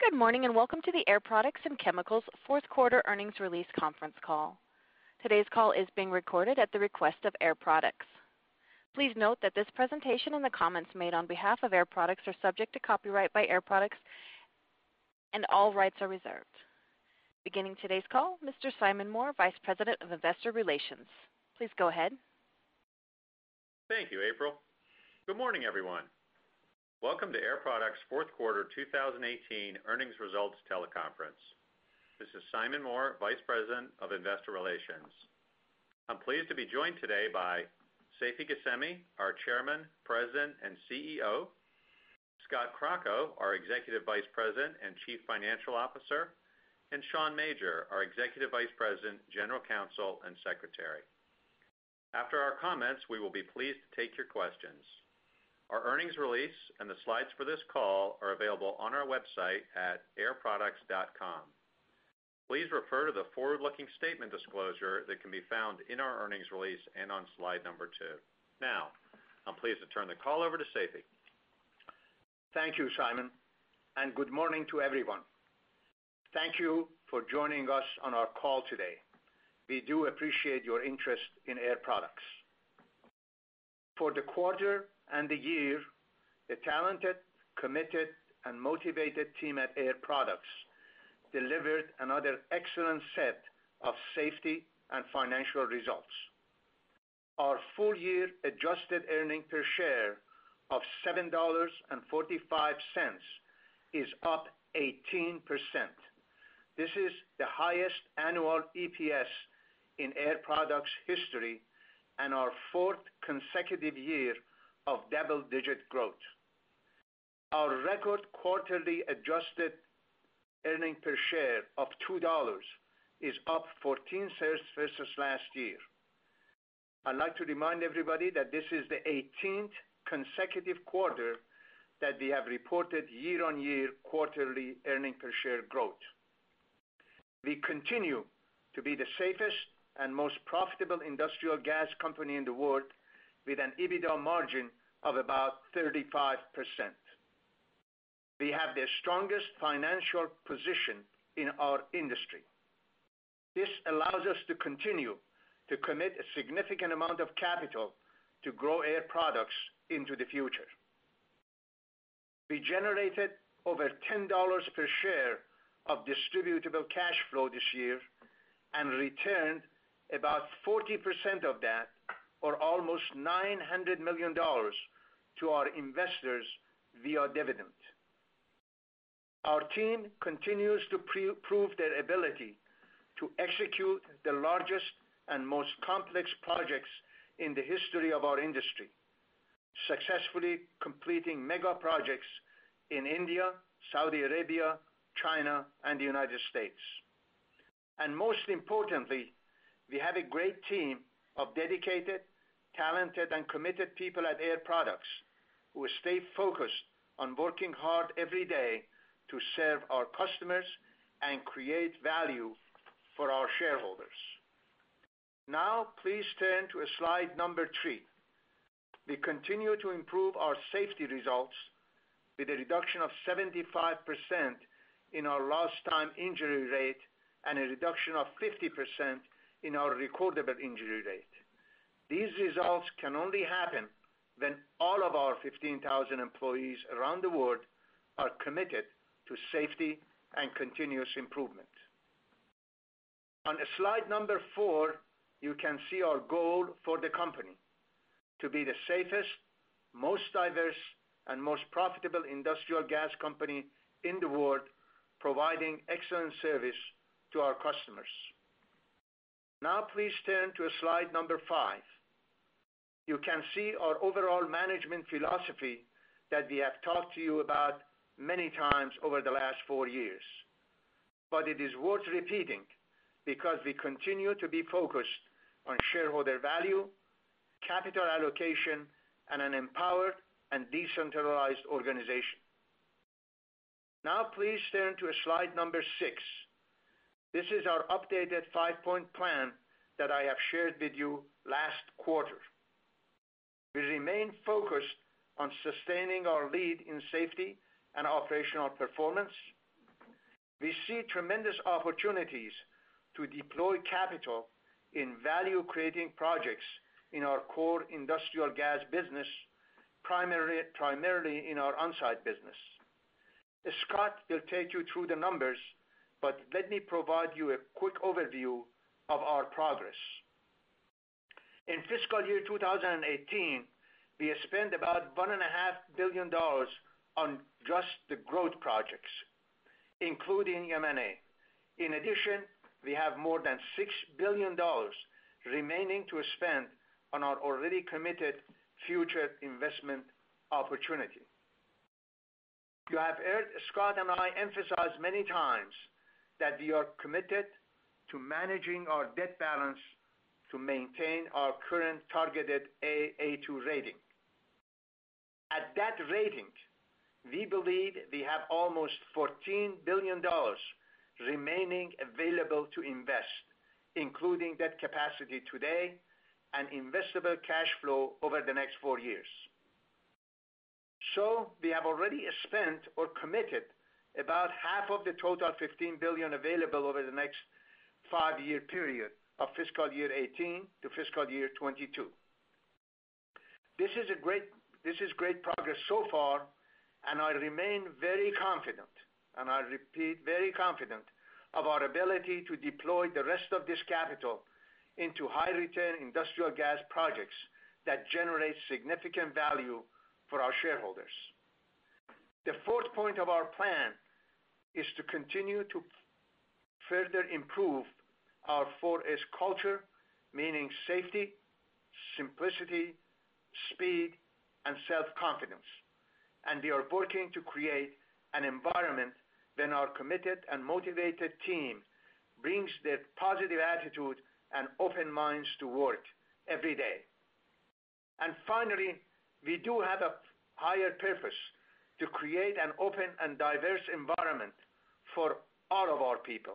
Good morning, and welcome to the Air Products and Chemicals fourth quarter earnings release conference call. Today's call is being recorded at the request of Air Products. Please note that this presentation and the comments made on behalf of Air Products are subject to copyright by Air Products, and all rights are reserved. Beginning today's call, Mr. Simon Moore, Vice President of Investor Relations. Please go ahead. Thank you, April. Good morning, everyone. Welcome to Air Products' fourth quarter 2018 earnings results teleconference. This is Simon Moore, Vice President of Investor Relations. I'm pleased to be joined today by Seifi Ghasemi, our Chairman, President, and CEO, Scott Crocco, our Executive Vice President and Chief Financial Officer, and Sean Major, our Executive Vice President, General Counsel, and Secretary. After our comments, we will be pleased to take your questions. Our earnings release and the slides for this call are available on our website at airproducts.com. Please refer to the forward-looking statement disclosure that can be found in our earnings release and on slide number two. I'm pleased to turn the call over to Seifi. Thank you, Simon. Good morning to everyone. Thank you for joining us on our call today. We do appreciate your interest in Air Products. For the quarter and the year, the talented, committed, and motivated team at Air Products delivered another excellent set of safety and financial results. Our full-year adjusted earnings per share of $7.45 is up 18%. This is the highest annual EPS in Air Products' history and our fourth consecutive year of double-digit growth. Our record quarterly adjusted earnings per share of $2 is up $0.14 versus last year. I'd like to remind everybody that this is the 18th consecutive quarter that we have reported year-on-year quarterly earnings per share growth. We continue to be the safest and most profitable industrial gas company in the world with an EBITDA margin of about 35%. We have the strongest financial position in our industry. This allows us to continue to commit a significant amount of capital to grow Air Products into the future. We generated over $10 per share of distributable cash flow this year and returned about 40% of that, or almost $900 million, to our investors via dividends. Our team continues to prove their ability to execute the largest and most complex projects in the history of our industry, successfully completing mega projects in India, Saudi Arabia, China, and the United States. Most importantly, we have a great team of dedicated, talented, and committed people at Air Products who stay focused on working hard every day to serve our customers and create value for our shareholders. Please turn to slide number three. We continue to improve our safety results with a reduction of 75% in our lost time injury rate and a reduction of 50% in our recordable injury rate. These results can only happen when all of our 15,000 employees around the world are committed to safety and continuous improvement. On slide number four, you can see our goal for the company: to be the safest, most diverse, and most profitable industrial gas company in the world, providing excellent service to our customers. Please turn to slide number five. You can see our overall management philosophy that we have talked to you about many times over the last four years. It is worth repeating because we continue to be focused on shareholder value, capital allocation, and an empowered and decentralized organization. Please turn to slide number six. This is our updated five-point plan that I have shared with you last quarter. We remain focused on sustaining our lead in safety and operational performance. We see tremendous opportunities to deploy capital in value-creating projects in our core industrial gas business, primarily in our onsite business. Scott will take you through the numbers, but let me provide you a quick overview of our progress. In fiscal year 2018, we spent about $1.5 billion on just the growth projects, including M&A. In addition, we have more than $6 billion remaining to spend on our already committed future investment opportunity. You have heard Scott and I emphasize many times that we are committed to managing our debt balance to maintain our current targeted Aa2 rating. At that rating, we believe we have almost $14 billion remaining available to invest, including debt capacity today and investable cash flow over the next four years. We have already spent or committed about half of the total $15 billion available over the next five-year period of fiscal year 2018 to fiscal year 2022. This is great progress so far, and I remain very confident, and I repeat, very confident of our ability to deploy the rest of this capital into high-return industrial gas projects that generate significant value for our shareholders. The fourth point of our plan is to continue to further improve our four S culture, meaning safety, simplicity, speed, and self-confidence. We are working to create an environment when our committed and motivated team brings their positive attitude and open minds to work every day. Finally, we do have a higher purpose: to create an open and diverse environment for all of our people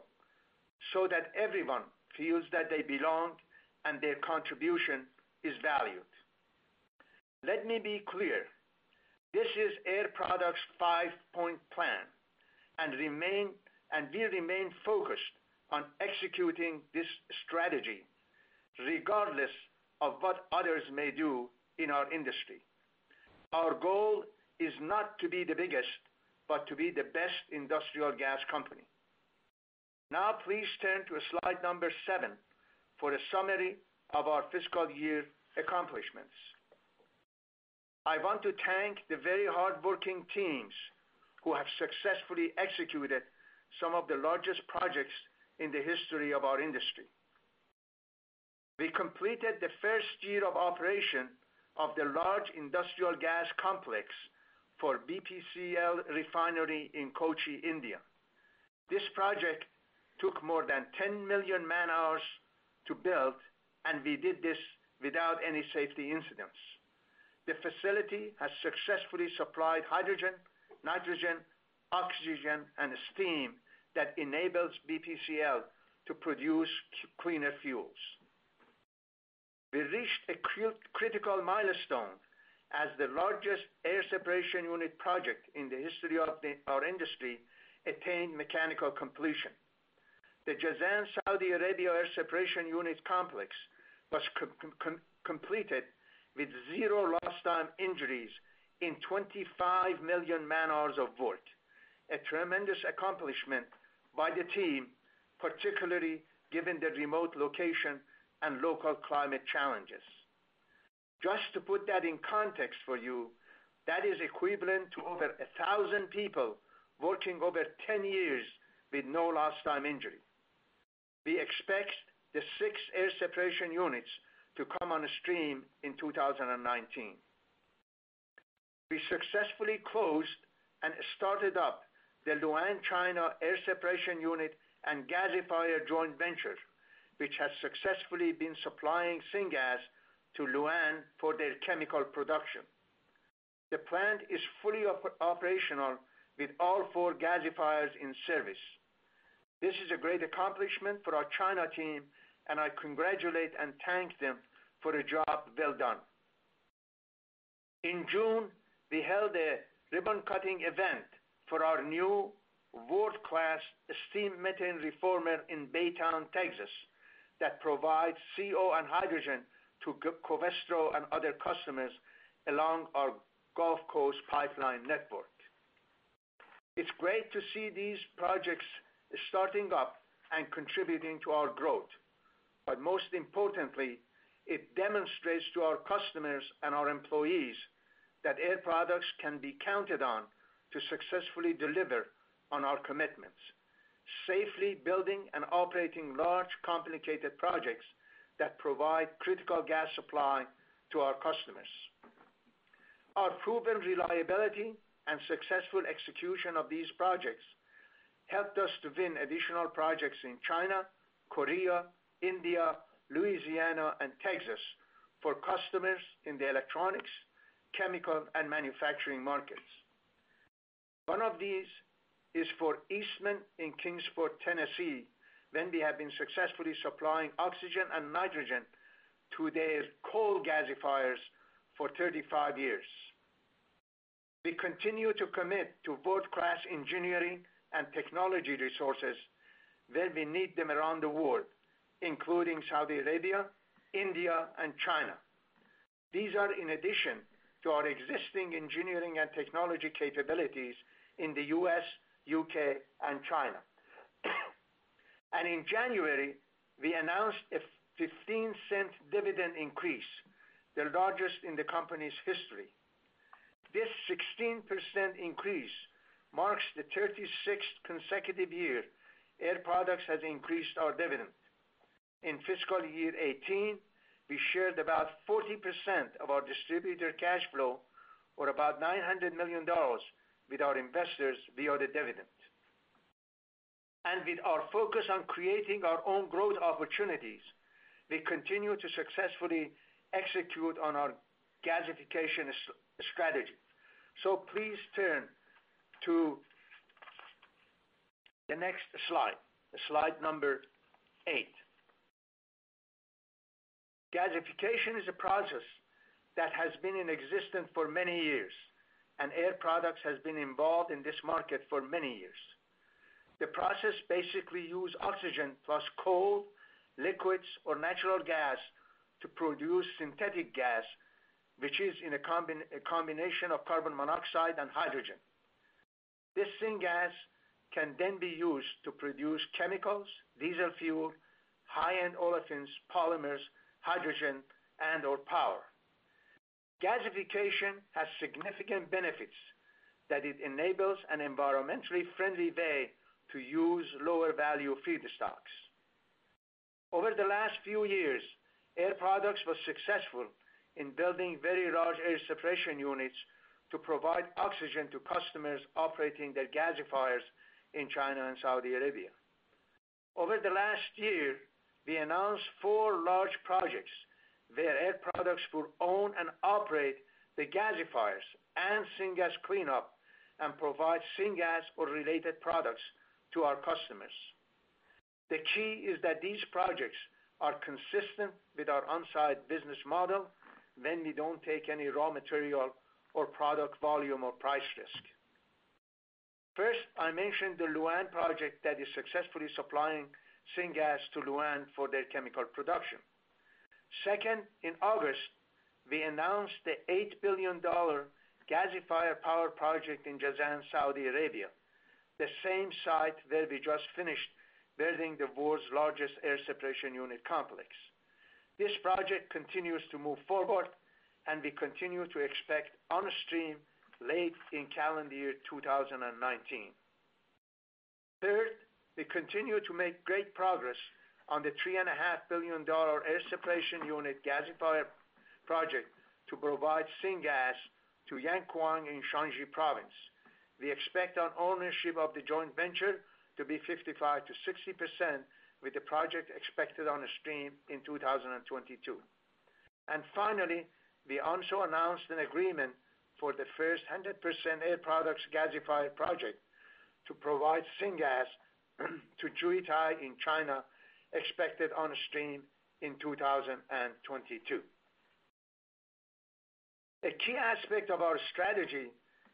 so that everyone feels that they belong and their contribution is valued. Let me be clear. This is Air Products' five-point plan. We remain focused on executing this strategy regardless of what others may do in our industry. Our goal is not to be the biggest, but to be the best industrial gas company. Please turn to slide number seven for a summary of our fiscal year accomplishments. I want to thank the very hardworking teams who have successfully executed some of the largest projects in the history of our industry. We completed the first year of operation of the large industrial gas complex for BPCL Refinery in Kochi, India. This project took more than 10 million man-hours to build, and we did this without any safety incidents. The facility has successfully supplied hydrogen, nitrogen, oxygen, and steam that enables BPCL to produce cleaner fuels. We reached a critical milestone as the largest Air Separation Unit project in the history of our industry attained mechanical completion. The Jazan, Saudi Arabia Air Separation Unit complex was completed with zero lost-time injuries in 25 million man-hours of work. A tremendous accomplishment by the team, particularly given the remote location and local climate challenges. Just to put that in context for you, that is equivalent to over 1,000 people working over 10 years with no lost-time injury. We expect the six Air Separation Units to come on stream in 2019. We successfully closed and started up the Lu'An, China Air Separation Unit and gasifier joint venture, which has successfully been supplying syngas to Lu'An for their chemical production. The plant is fully operational with all four gasifiers in service. I congratulate and thank them for a job well done. In June, we held a ribbon-cutting event for our new world-class steam methane reformer in Baytown, Texas, that provides CO and hydrogen to Covestro and other customers along our Gulf Coast pipeline network. It's great to see these projects starting up and contributing to our growth. Most importantly, it demonstrates to our customers and our employees that Air Products can be counted on to successfully deliver on our commitments. Safely building and operating large, complicated projects that provide critical gas supply to our customers. Our proven reliability and successful execution of these projects helped us to win additional projects in China, Korea, India, Louisiana, and Texas for customers in the electronics, chemical, and manufacturing markets. One of these is for Eastman in Kingsport, Tennessee, when we have been successfully supplying oxygen and nitrogen to their coal gasifiers for 35 years. We continue to commit to world-class engineering and technology resources where we need them around the world, including Saudi Arabia, India, and China. These are in addition to our existing engineering and technology capabilities in the U.S., U.K., and China. In January, we announced a $0.15 dividend increase, the largest in the company's history. This 16% increase marks the 36th consecutive year Air Products has increased our dividend. In fiscal year 2018, we shared about 40% of our distributable cash flow, or about $900 million, with our investors via the dividend. With our focus on creating our own growth opportunities, we continue to successfully execute on our gasification strategy. Please turn to the next slide number eight. Gasification is a process that has been in existence for many years, Air Products has been involved in this market for many years. The process basically uses oxygen plus coal, liquids, or natural gas to produce syngas, which is a combination of carbon monoxide and hydrogen. This syngas can then be used to produce chemicals, diesel fuel, high-end olefins, polymers, hydrogen, and/or power. Gasification has significant benefits that it enables an environmentally friendly way to use lower value feedstocks. Over the last few years, Air Products was successful in building very large Air Separation Units to provide oxygen to customers operating their gasifiers in China and Saudi Arabia. Over the last year, we announced four large projects where Air Products will own and operate the gasifiers and syngas cleanup and provide syngas or related products to our customers. The key is that these projects are consistent with our on-site business model, we don't take any raw material or product volume or price risk. First, I mentioned the Lu'An project that is successfully supplying syngas to Lu'An for their chemical production. Second, in August, we announced the $8 billion gasifier power project in Jazan, Saudi Arabia, the same site where we just finished building the world's largest Air Separation Unit complex. This project continues to move forward, and we continue to expect on stream late in calendar year 2019. Third, we continue to make great progress on the $3.5 billion Air Separation Unit gasifier project to provide syngas to Yankuang in Shaanxi Province. We expect our ownership of the joint venture to be 55%-60% with the project expected on stream in 2022. Finally, we also announced an agreement for the first 100% Air Products gasifier project to provide syngas to Zhuhai in China, expected on stream in 2022. A key aspect of our strategy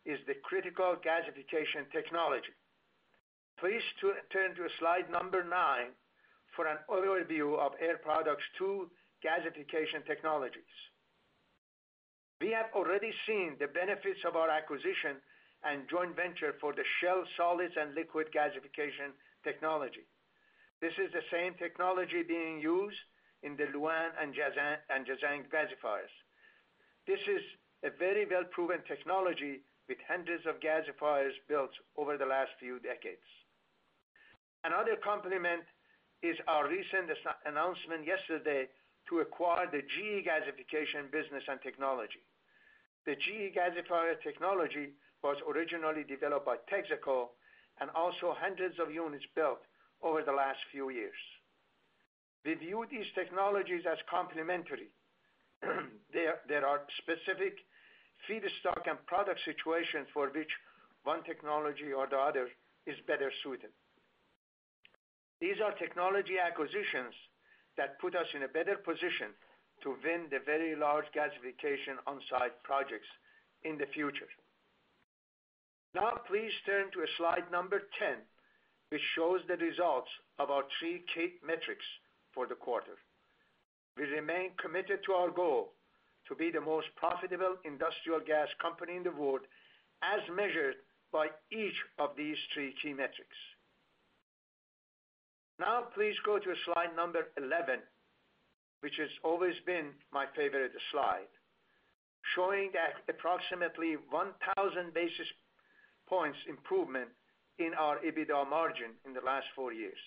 is the critical gasification technology. Please turn to slide number nine for an overview of Air Products' two gasification technologies. We have already seen the benefits of our acquisition and joint venture for the Shell solids and liquid gasification technology. This is the same technology being used in the Lu'An and Jazan gasifiers. This is a very well-proven technology with hundreds of gasifiers built over the last few decades. Another complement is our recent announcement yesterday to acquire the GE gasification business and technology. The GE gasifier technology was originally developed by Texaco and also hundreds of units built over the last few years. We view these technologies as complementary. There are specific feedstock and product situations for which one technology or the other is better suited. These are technology acquisitions that put us in a better position to win the very large gasification on-site projects in the future. Please turn to slide number 10, which shows the results of our three key metrics for the quarter. We remain committed to our goal to be the most profitable industrial gas company in the world, as measured by each of these three key metrics. Please go to slide number 11, which has always been my favorite slide, showing that approximately 1,000 basis points improvement in our EBITDA margin in the last four years.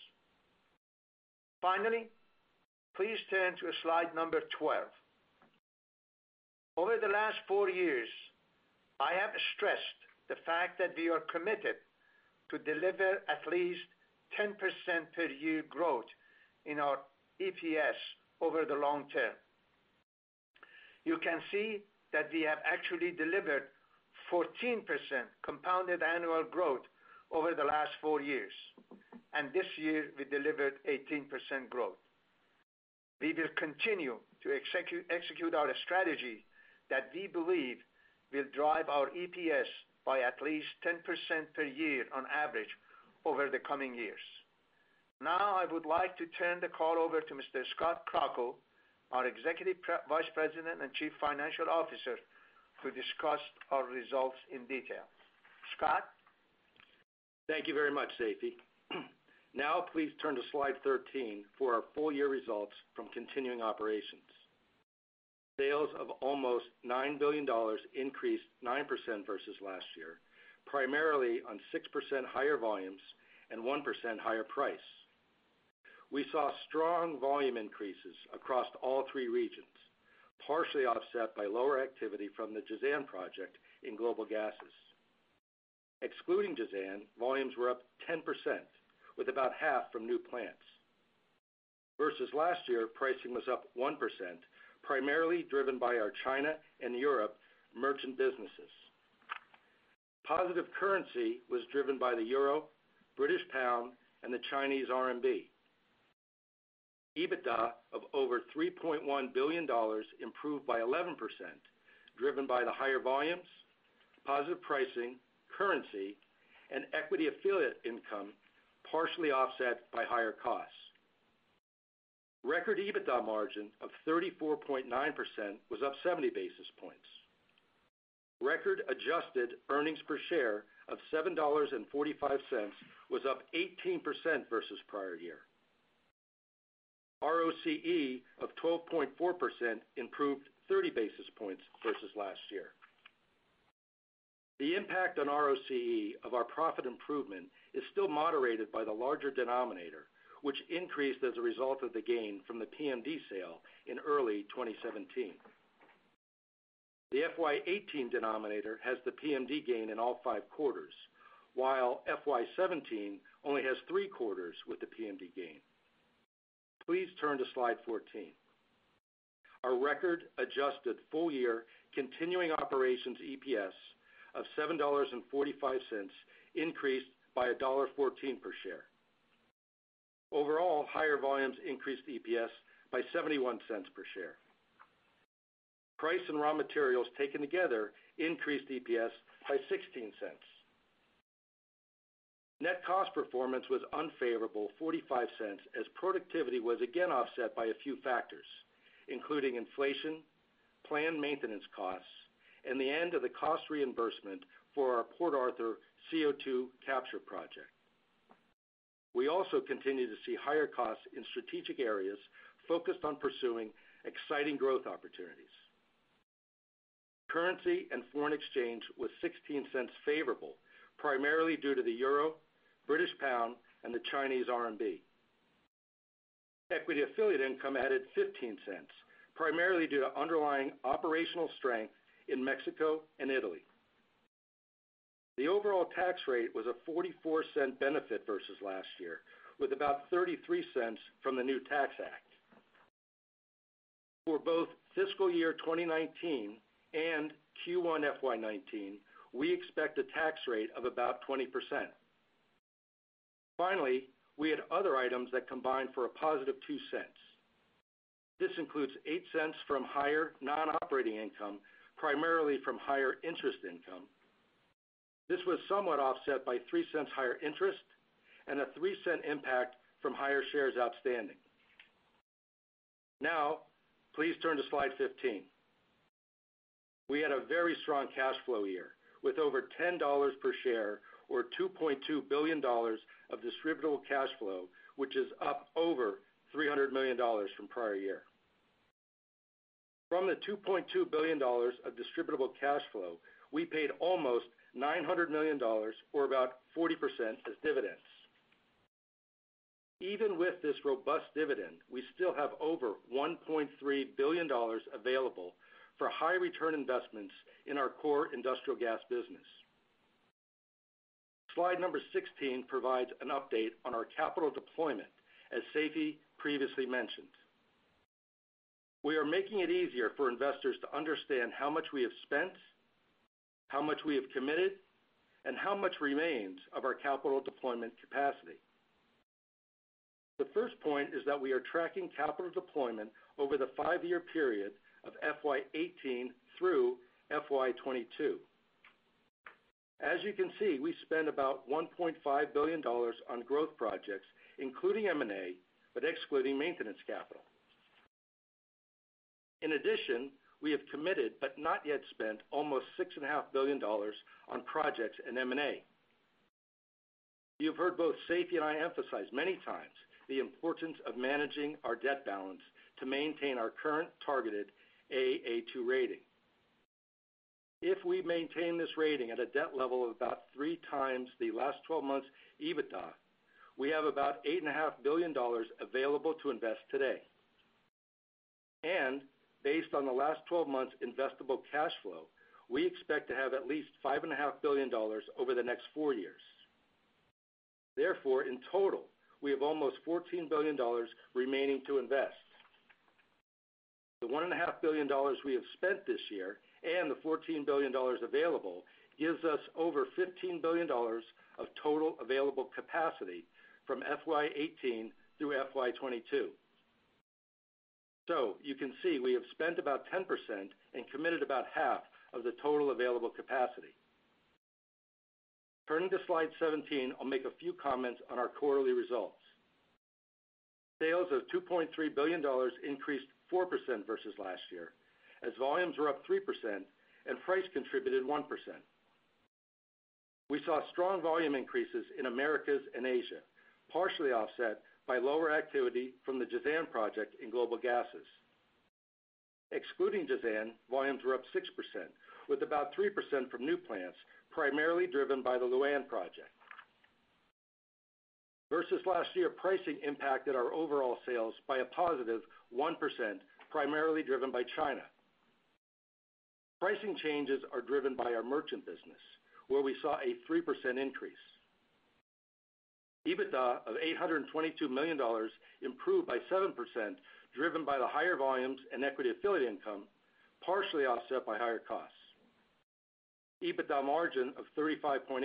Finally, please turn to slide number 12. Over the last four years, I have stressed the fact that we are committed to deliver at least 10% per year growth in our EPS over the long term. You can see that we have actually delivered 14% compounded annual growth over the last four years, and this year we delivered 18% growth. We will continue to execute our strategy that we believe will drive our EPS by at least 10% per year on average over the coming years. I would like to turn the call over to Mr. Scott Crocco, our Executive Vice President and Chief Financial Officer, to discuss our results in detail. Scott? Thank you very much, Seifi. Please turn to slide 13 for our full-year results from continuing operations. Sales of almost $9 billion increased 9% versus last year, primarily on 6% higher volumes and 1% higher price. We saw strong volume increases across all three regions, partially offset by lower activity from the Jazan project in Global Gases. Excluding Jazan, volumes were up 10%, with about half from new plants. Versus last year, pricing was up 1%, primarily driven by our China and Europe merchant businesses. Positive currency was driven by the euro, British pound, and the Chinese RMB. EBITDA of over $3.1 billion improved by 11%, driven by the higher volumes, positive pricing, currency, and equity affiliate income, partially offset by higher costs. Record EBITDA margin of 34.9% was up 70 basis points. Record adjusted earnings per share of $7.45 was up 18% versus prior year. ROCE of 12.4% improved 30 basis points versus last year. The impact on ROCE of our profit improvement is still moderated by the larger denominator, which increased as a result of the gain from the PMD sale in early 2017. The FY 2018 denominator has the PMD gain in all five quarters, while FY 2017 only has three quarters with the PMD gain. Please turn to slide 14. Our record adjusted full-year continuing operations EPS of $7.45 increased by $1.14 per share. Overall, higher volumes increased EPS by $0.71 per share. Price and raw materials taken together increased EPS by $0.16. Net cost performance was unfavorable $0.45, as productivity was again offset by a few factors, including inflation, planned maintenance costs, and the end of the cost reimbursement for our Port Arthur CO2 capture project. We also continue to see higher costs in strategic areas focused on pursuing exciting growth opportunities. Currency and foreign exchange was $0.16 favorable, primarily due to the euro, British pound, and the Chinese RMB. Equity affiliate income added $0.15, primarily due to underlying operational strength in Mexico and Italy. The overall tax rate was a $0.44 benefit versus last year, with about $0.33 from the new Tax Act. For both fiscal year 2019 and Q1 FY 2019, we expect a tax rate of about 20%. Finally, we had other items that combined for a positive $0.02. This includes $0.08 from higher non-operating income, primarily from higher interest income. This was somewhat offset by $0.03 higher interest and a $0.03 impact from higher shares outstanding. Please turn to slide 15. We had a very strong cash flow year with over $10 per share or $2.2 billion of distributable cash flow, which is up over $300 million from prior year. From the $2.2 billion of distributable cash flow, we paid almost $900 million, or about 40%, as dividends. Even with this robust dividend, we still have over $1.3 billion available for high return investments in our core industrial gas business. Slide number 16 provides an update on our capital deployment, as Seifi previously mentioned. We are making it easier for investors to understand how much we have spent, how much we have committed, and how much remains of our capital deployment capacity. The first point is that we are tracking capital deployment over the five-year period of FY 2018 through FY 2022. As you can see, we spent about $1.5 billion on growth projects, including M&A, but excluding maintenance capital. In addition, we have committed, but not yet spent, almost $6.5 billion on projects and M&A. You've heard both Seifi and I emphasize many times the importance of managing our debt balance to maintain our current targeted Aa2 rating. If we maintain this rating at a debt level of about three times the last 12 months EBITDA, we have about $8.5 billion available to invest today. Based on the last 12 months investable cash flow, we expect to have at least $5.5 billion over the next four years. In total, we have almost $14 billion remaining to invest. The $1.5 billion we have spent this year and the $14 billion available gives us over $15 billion of total available capacity from FY 2018 through FY 2022. You can see we have spent about 10% and committed about half of the total available capacity. Turning to slide 17, I'll make a few comments on our quarterly results. Sales of $2.3 billion increased 4% versus last year as volumes were up 3% and price contributed 1%. We saw strong volume increases in Americas and Asia, partially offset by lower activity from the Jazan project in Global Gases. Excluding Jazan, volumes were up 6%, with about 3% from new plants, primarily driven by the Lu'An project. Versus last year, pricing impacted our overall sales by a positive 1%, primarily driven by China. Pricing changes are driven by our merchant business, where we saw a 3% increase. EBITDA of $822 million improved by 7%, driven by the higher volumes and equity affiliate income, partially offset by higher costs. EBITDA margin of 35.8%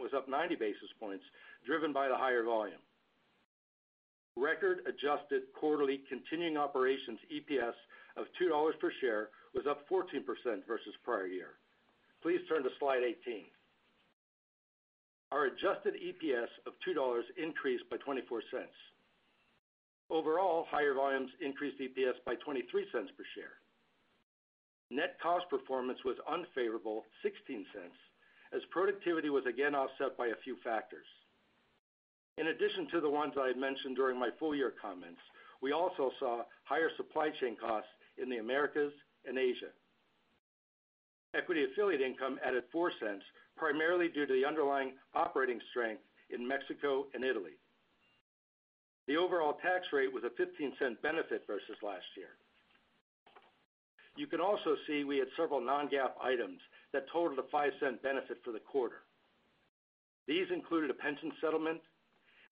was up 90 basis points, driven by the higher volume. Record adjusted quarterly continuing operations EPS of $2 per share was up 14% versus prior year. Please turn to slide 18. Our adjusted EPS of $2 increased by $0.24. Overall, higher volumes increased EPS by $0.23 per share. Net cost performance was unfavorable $0.16, as productivity was again offset by a few factors. In addition to the ones I had mentioned during my full-year comments, we also saw higher supply chain costs in the Americas and Asia. Equity affiliate income added $0.04, primarily due to the underlying operating strength in Mexico and Italy. The overall tax rate was a $0.15 benefit versus last year. You can also see we had several non-GAAP items that totaled a $0.5 benefit for the quarter. These included a pension settlement,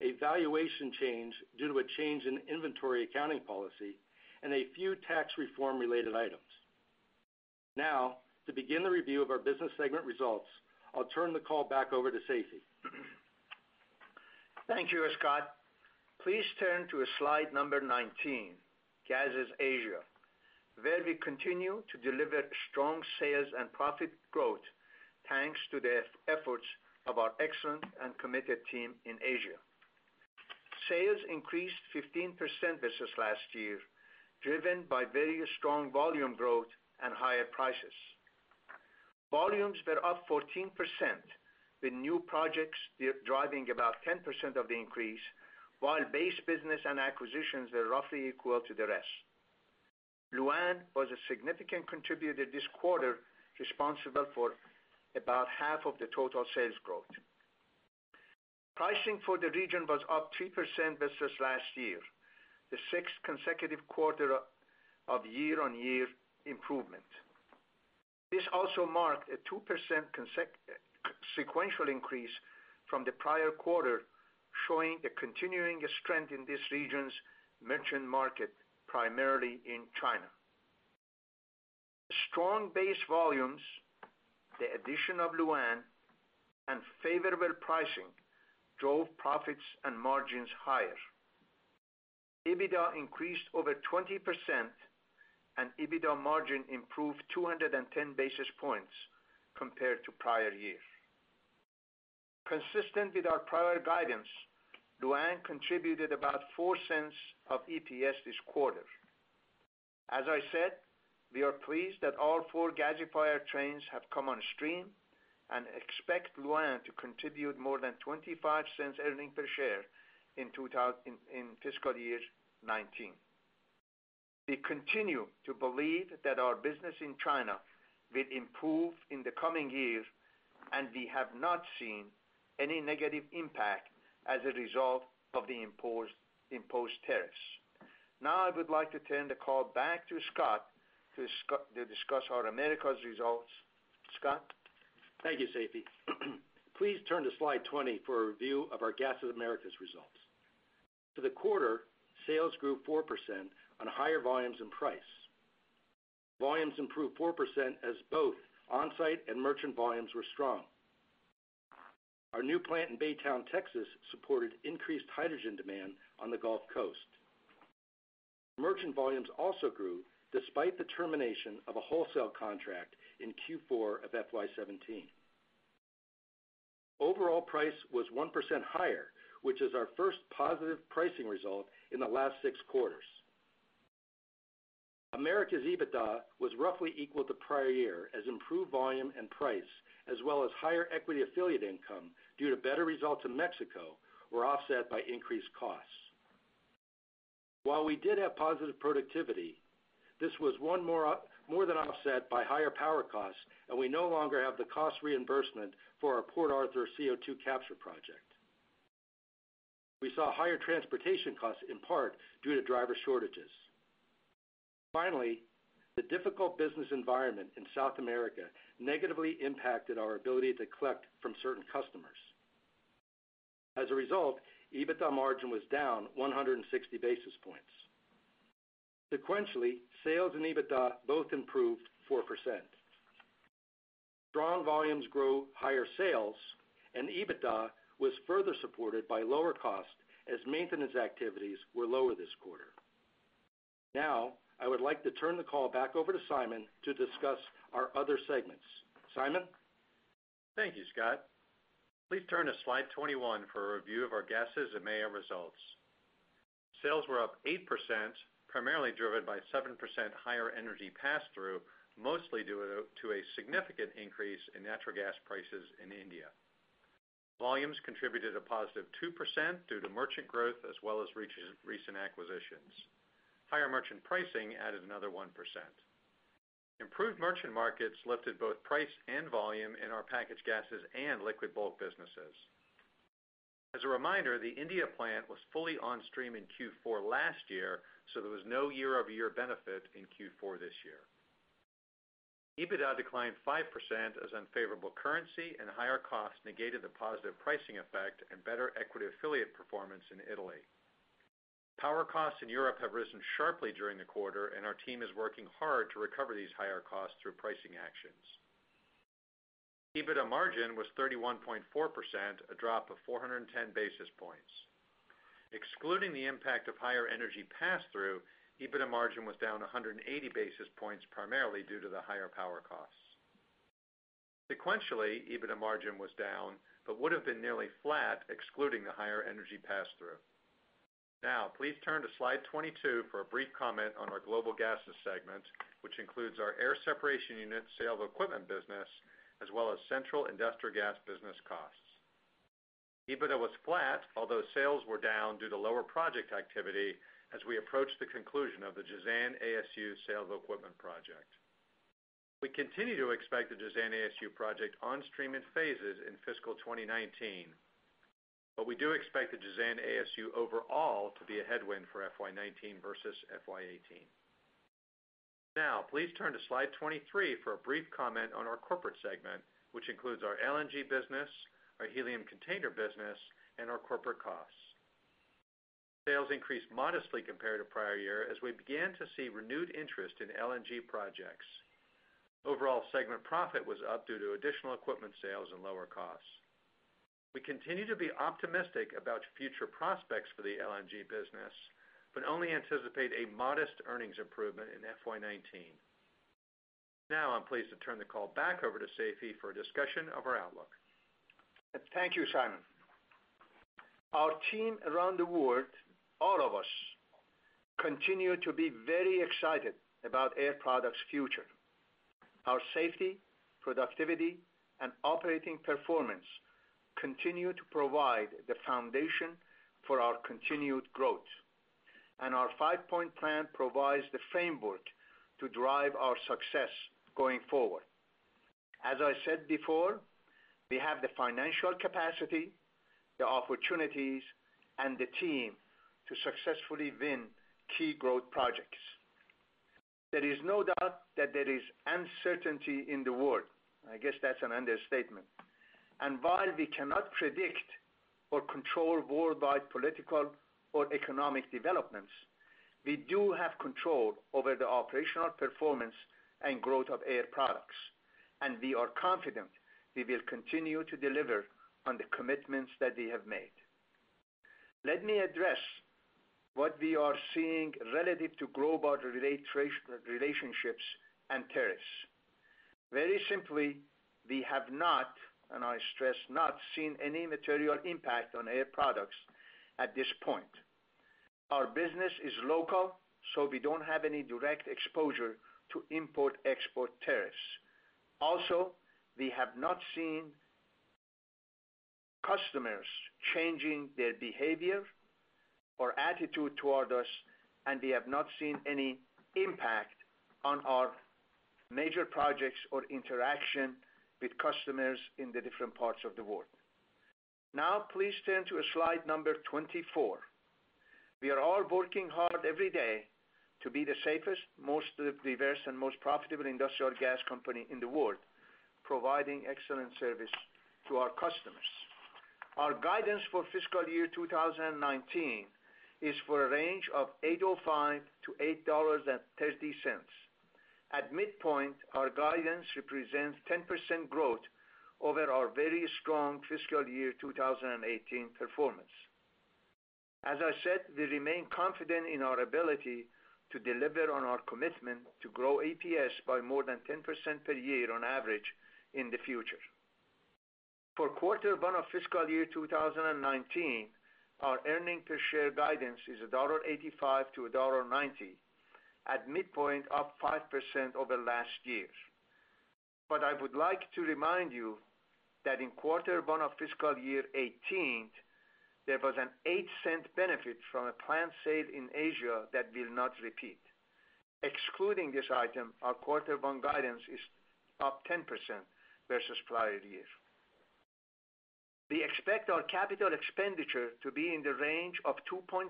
a valuation change due to a change in inventory accounting policy, and a few tax reform related items. To begin the review of our business segment results, I'll turn the call back over to Seifi. Thank you, Scott. Please turn to slide number 19, Gases Asia, where we continue to deliver strong sales and profit growth thanks to the efforts of our excellent and committed team in Asia. Sales increased 15% versus last year, driven by very strong volume growth and higher prices. Volumes were up 14%, with new projects driving about 10% of the increase, while base business and acquisitions were roughly equal to the rest. Lu'An was a significant contributor this quarter, responsible for about half of the total sales growth. Pricing for the region was up 3% versus last year, the sixth consecutive quarter of year-on-year improvement. This also marked a 2% sequential increase from the prior quarter, showing the continuing strength in this region's merchant market, primarily in China. The strong base volumes, the addition of Lu'An, and favorable pricing drove profits and margins higher. EBITDA increased over 20% and EBITDA margin improved 210 basis points compared to prior year. Consistent with our prior guidance, Lu'An contributed about $0.04 of EPS this quarter. As I said, we are pleased that all four gasifier trains have come on stream and expect Lu'An to contribute more than $0.25 earnings per share in FY 2019. We continue to believe that our business in China will improve in the coming years, and we have not seen any negative impact as a result of the imposed tariffs. I would like to turn the call back to Scott to discuss our Americas results. Scott? Thank you, Seifi. Please turn to slide 20 for a review of our Gases Americas results. For the quarter, sales grew 4% on higher volumes and price. Volumes improved 4% as both onsite and merchant volumes were strong. Our new plant in Baytown, Texas supported increased hydrogen demand on the Gulf Coast. Merchant volumes also grew, despite the termination of a wholesale contract in Q4 of FY 2017. Overall price was 1% higher, which is our first positive pricing result in the last six quarters. Americas EBITDA was roughly equal to prior year as improved volume and price, as well as higher equity affiliate income due to better results in Mexico, were offset by increased costs. While we did have positive productivity, this was more than offset by higher power costs, and we no longer have the cost reimbursement for our Port Arthur CO2 capture project. We saw higher transportation costs, in part due to driver shortages. Finally, the difficult business environment in South America negatively impacted our ability to collect from certain customers. As a result, EBITDA margin was down 160 basis points. Sequentially, sales and EBITDA both improved 4%. Strong volumes grew higher sales, and EBITDA was further supported by lower cost as maintenance activities were lower this quarter. I would like to turn the call back over to Simon to discuss our other segments. Simon? Thank you, Scott. Please turn to slide 21 for a review of our Gases EMEA results. Sales were up 8%, primarily driven by 7% higher energy pass-through, mostly due to a significant increase in natural gas prices in India. Volumes contributed a positive 2% due to merchant growth as well as recent acquisitions. Higher merchant pricing added another 1%. Improved merchant markets lifted both price and volume in our packaged gases and liquid bulk businesses. As a reminder, the India plant was fully on stream in Q4 last year, so there was no year-over-year benefit in Q4 this year. EBITDA declined 5% as unfavorable currency and higher costs negated the positive pricing effect and better equity affiliate performance in Italy. Power costs in Europe have risen sharply during the quarter, and our team is working hard to recover these higher costs through pricing actions. EBITDA margin was 31.4%, a drop of 410 basis points. Excluding the impact of higher energy pass-through, EBITDA margin was down 180 basis points, primarily due to the higher power costs. Sequentially, EBITDA margin was down, but would have been nearly flat excluding the higher energy pass-through. Please turn to Slide 22 for a brief comment on our Global Gases segment, which includes our Air Separation Unit Sale of Equipment business, as well as central industrial gas business costs. EBITDA was flat, although sales were down due to lower project activity as we approach the conclusion of the Jazan ASU Sale of Equipment project. We continue to expect the Jazan ASU project on stream in phases in fiscal 2019, but we do expect the Jazan ASU overall to be a headwind for FY 2019 versus FY 2018. Please turn to Slide 23 for a brief comment on our Corporate segment, which includes our LNG business, our helium container business, and our corporate costs. Sales increased modestly compared to prior year as we began to see renewed interest in LNG projects. Overall segment profit was up due to additional equipment sales and lower costs. We continue to be optimistic about future prospects for the LNG business, but only anticipate a modest earnings improvement in FY 2019. I am pleased to turn the call back over to Seifi for a discussion of our outlook. Thank you, Simon. Our team around the world, all of us, continue to be very excited about Air Products' future. Our safety, productivity, and operating performance continue to provide the foundation for our continued growth, and our five-point plan provides the framework to drive our success going forward. As I said before, we have the financial capacity, the opportunities, and the team to successfully win key growth projects. There is no doubt that there is uncertainty in the world. I guess that is an understatement. While we cannot predict or control worldwide political or economic developments, we do have control over the operational performance and growth of Air Products, and we are confident we will continue to deliver on the commitments that we have made. Let me address what we are seeing relative to global relationships and tariffs. Very simply, we have not, and I stress not, seen any material impact on Air Products at this point. Our business is local, so we do not have any direct exposure to import-export tariffs. Also, we have not seen customers changing their behavior or attitude toward us, and we have not seen any impact on our major projects or interaction with customers in the different parts of the world. Please turn to slide number 24. We are all working hard every day to be the safest, most diverse, and most profitable industrial gas company in the world, providing excellent service to our customers. Our guidance for fiscal year 2019 is for a range of $8.05 to $8.30. At midpoint, our guidance represents 10% growth over our very strong fiscal year 2018 performance. We remain confident in our ability to deliver on our commitment to grow EPS by more than 10% per year on average in the future. For quarter one of fiscal year 2019, our earning per share guidance is $1.85-$1.90, at midpoint up 5% over last year. I would like to remind you that in quarter one of fiscal year 2018, there was an $0.08 benefit from a plant sale in Asia that will not repeat. Excluding this item, our quarter one guidance is up 10% versus prior year. We expect our capital expenditure to be in the range of $2.3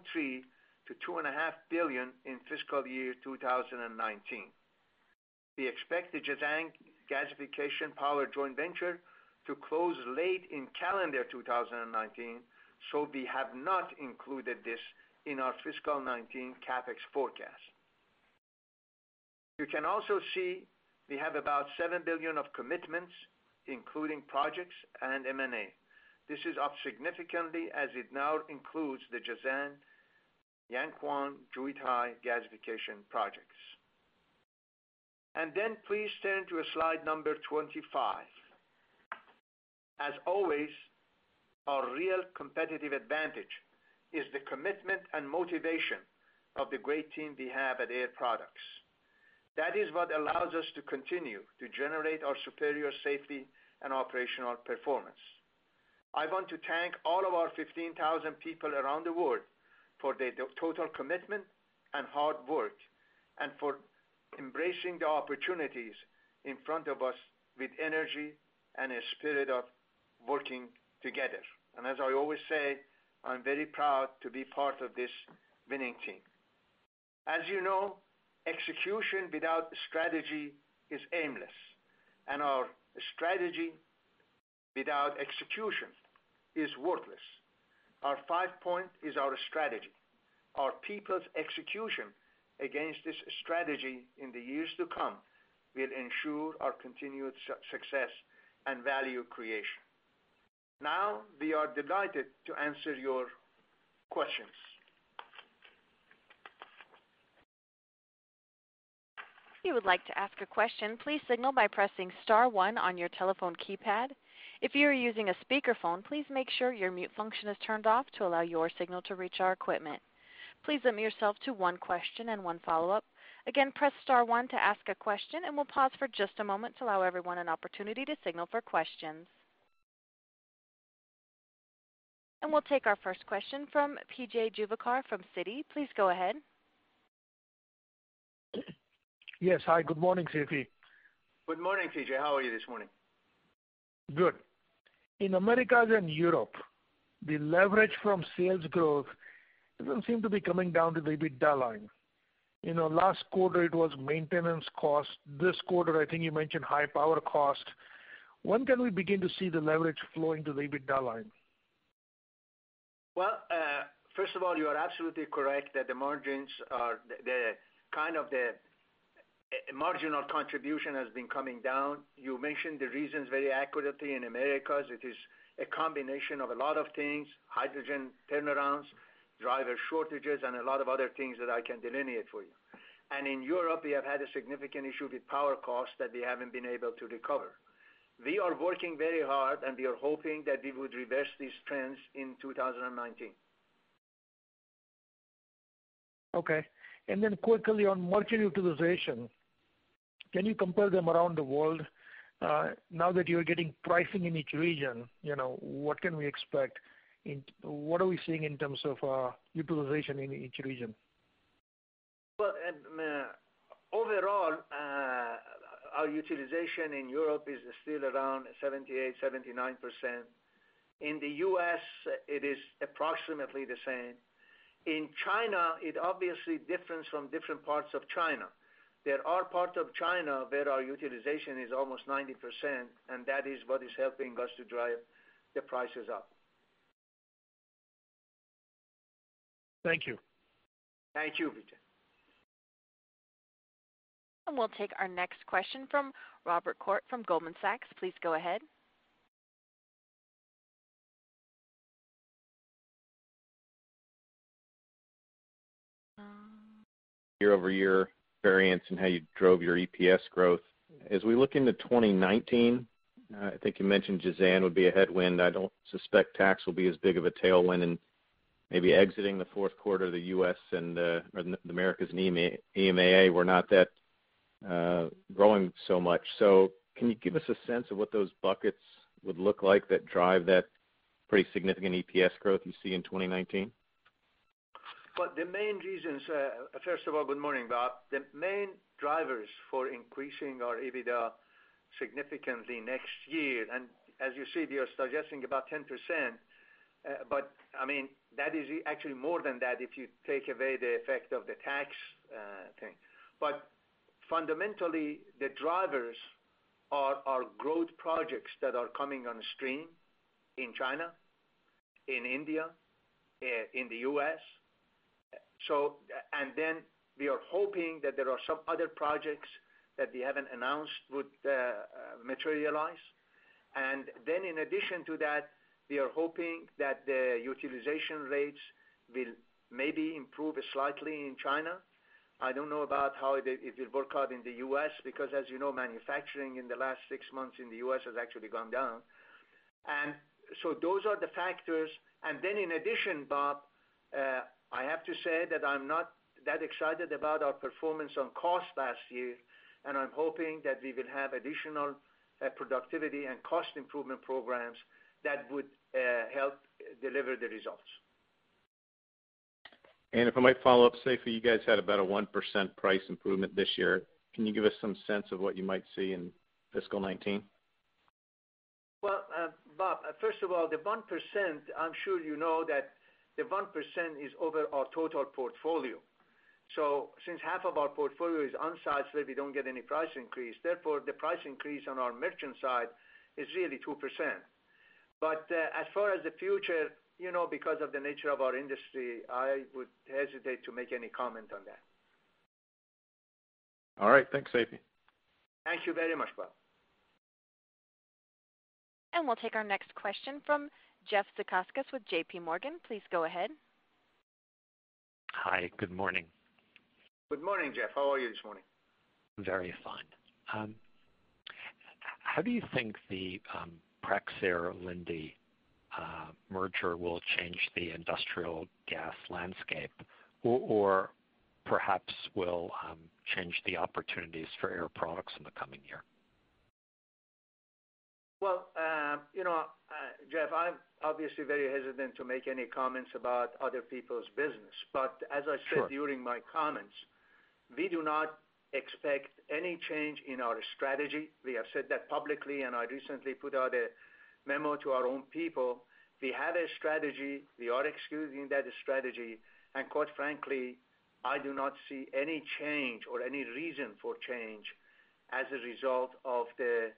billion-$2.5 billion in fiscal year 2019. We expect the Jazan gasification power joint venture to close late in calendar 2019, we have not included this in our fiscal 2019 CapEx forecast. You can also see we have about $7 billion of commitments, including projects and M&A. This is up significantly as it now includes the Jazan, Yankuang, Zhuhai gasification projects. Please turn to slide number 25. As always, our real competitive advantage is the commitment and motivation of the great team we have at Air Products. That is what allows us to continue to generate our superior safety and operational performance. I want to thank all of our 15,000 people around the world for their total commitment and hard work. And for embracing the opportunities in front of us with energy and a spirit of working together. As I always say, I'm very proud to be part of this winning team. As you know, execution without strategy is aimless, and our strategy without execution is worthless. Our five point is our strategy. Our people's execution against this strategy in the years to come will ensure our continued success and value creation. We are delighted to answer your questions. If you would like to ask a question, please signal by pressing star one on your telephone keypad. If you are using a speakerphone, please make sure your mute function is turned off to allow your signal to reach our equipment. Please limit yourself to one question and one follow-up. Again, press star one to ask a question, we'll pause for just a moment to allow everyone an opportunity to signal for questions. We'll take our first question from P.J. Juvekar from Citi. Please go ahead. Yes. Hi, good morning, Seifi. Good morning, P.J. How are you this morning? Good. In Americas and Europe, the leverage from sales growth doesn't seem to be coming down to the EBITDA line. Last quarter it was maintenance cost. This quarter, I think you mentioned high power cost. When can we begin to see the leverage flowing to the EBITDA line? Well, first of all, you are absolutely correct that the marginal contribution has been coming down. You mentioned the reasons very accurately. In Americas, it is a combination of a lot of things, hydrogen turnarounds, driver shortages, and a lot of other things that I can delineate for you. In Europe, we have had a significant issue with power costs that we haven't been able to recover. We are working very hard, and we are hoping that we would reverse these trends in 2019. Okay. Quickly on merchant utilization, can you compare them around the world? Now that you're getting pricing in each region, what are we seeing in terms of utilization in each region? Well, overall, our utilization in Europe is still around 78%-79%. In the U.S., it is approximately the same. In China, it obviously differs from different parts of China. There are parts of China where our utilization is almost 90%, that is what is helping us to drive the prices up. Thank you. Thank you, PJ. We'll take our next question from Robert Koort from Goldman Sachs. Please go ahead. Year-over-year variance in how you drove your EPS growth. As we look into 2019, I think you mentioned Jazan would be a headwind. I don't suspect tax will be as big of a tailwind, and maybe exiting the fourth quarter of the U.S. and the Americas and EMEA were not that growing so much. Can you give us a sense of what those buckets would look like that drive that pretty significant EPS growth you see in 2019? First of all, good morning, Bob. The main drivers for increasing our EBITDA significantly next year, as you see, we are suggesting about 10%, but that is actually more than that if you take away the effect of the tax thing. Fundamentally, the drivers are our growth projects that are coming on stream in China, in India, in the U.S. We are hoping that there are some other projects that we haven't announced would materialize. In addition to that, we are hoping that the utilization rates will maybe improve slightly in China. I don't know about how it will work out in the U.S. because as you know, manufacturing in the last six months in the U.S. has actually gone down. Those are the factors. In addition, Bob, I have to say that I'm not that excited about our performance on cost last year, and I'm hoping that we will have additional productivity and cost improvement programs that would help deliver the results. If I might follow up, Seifi, you guys had about a 1% price improvement this year. Can you give us some sense of what you might see in fiscal 2019? Well, Bob, first of all, the 1%, I'm sure you know that the 1% is over our total portfolio. Since half of our portfolio is on site, so we don't get any price increase. Therefore, the price increase on our merchant side is really 2%. As far as the future, because of the nature of our industry, I would hesitate to make any comment on that. All right. Thanks, Seifi. Thank you very much, Bob. We'll take our next question from Jeffrey Zekauskas with JPMorgan Chase. Please go ahead. Hi. Good morning. Good morning, Jeff. How are you this morning? Very fine. How do you think the Praxair-Linde merger will change the industrial gas landscape, or perhaps will change the opportunities for Air Products in the coming year? Well, Jeff, I'm obviously very hesitant to make any comments about other people's business. As I said- Sure during my comments, we do not expect any change in our strategy. We have said that publicly, and I recently put out a memo to our own people. We have a strategy. We are executing that strategy, and quite frankly, I do not see any change or any reason for change as a result of the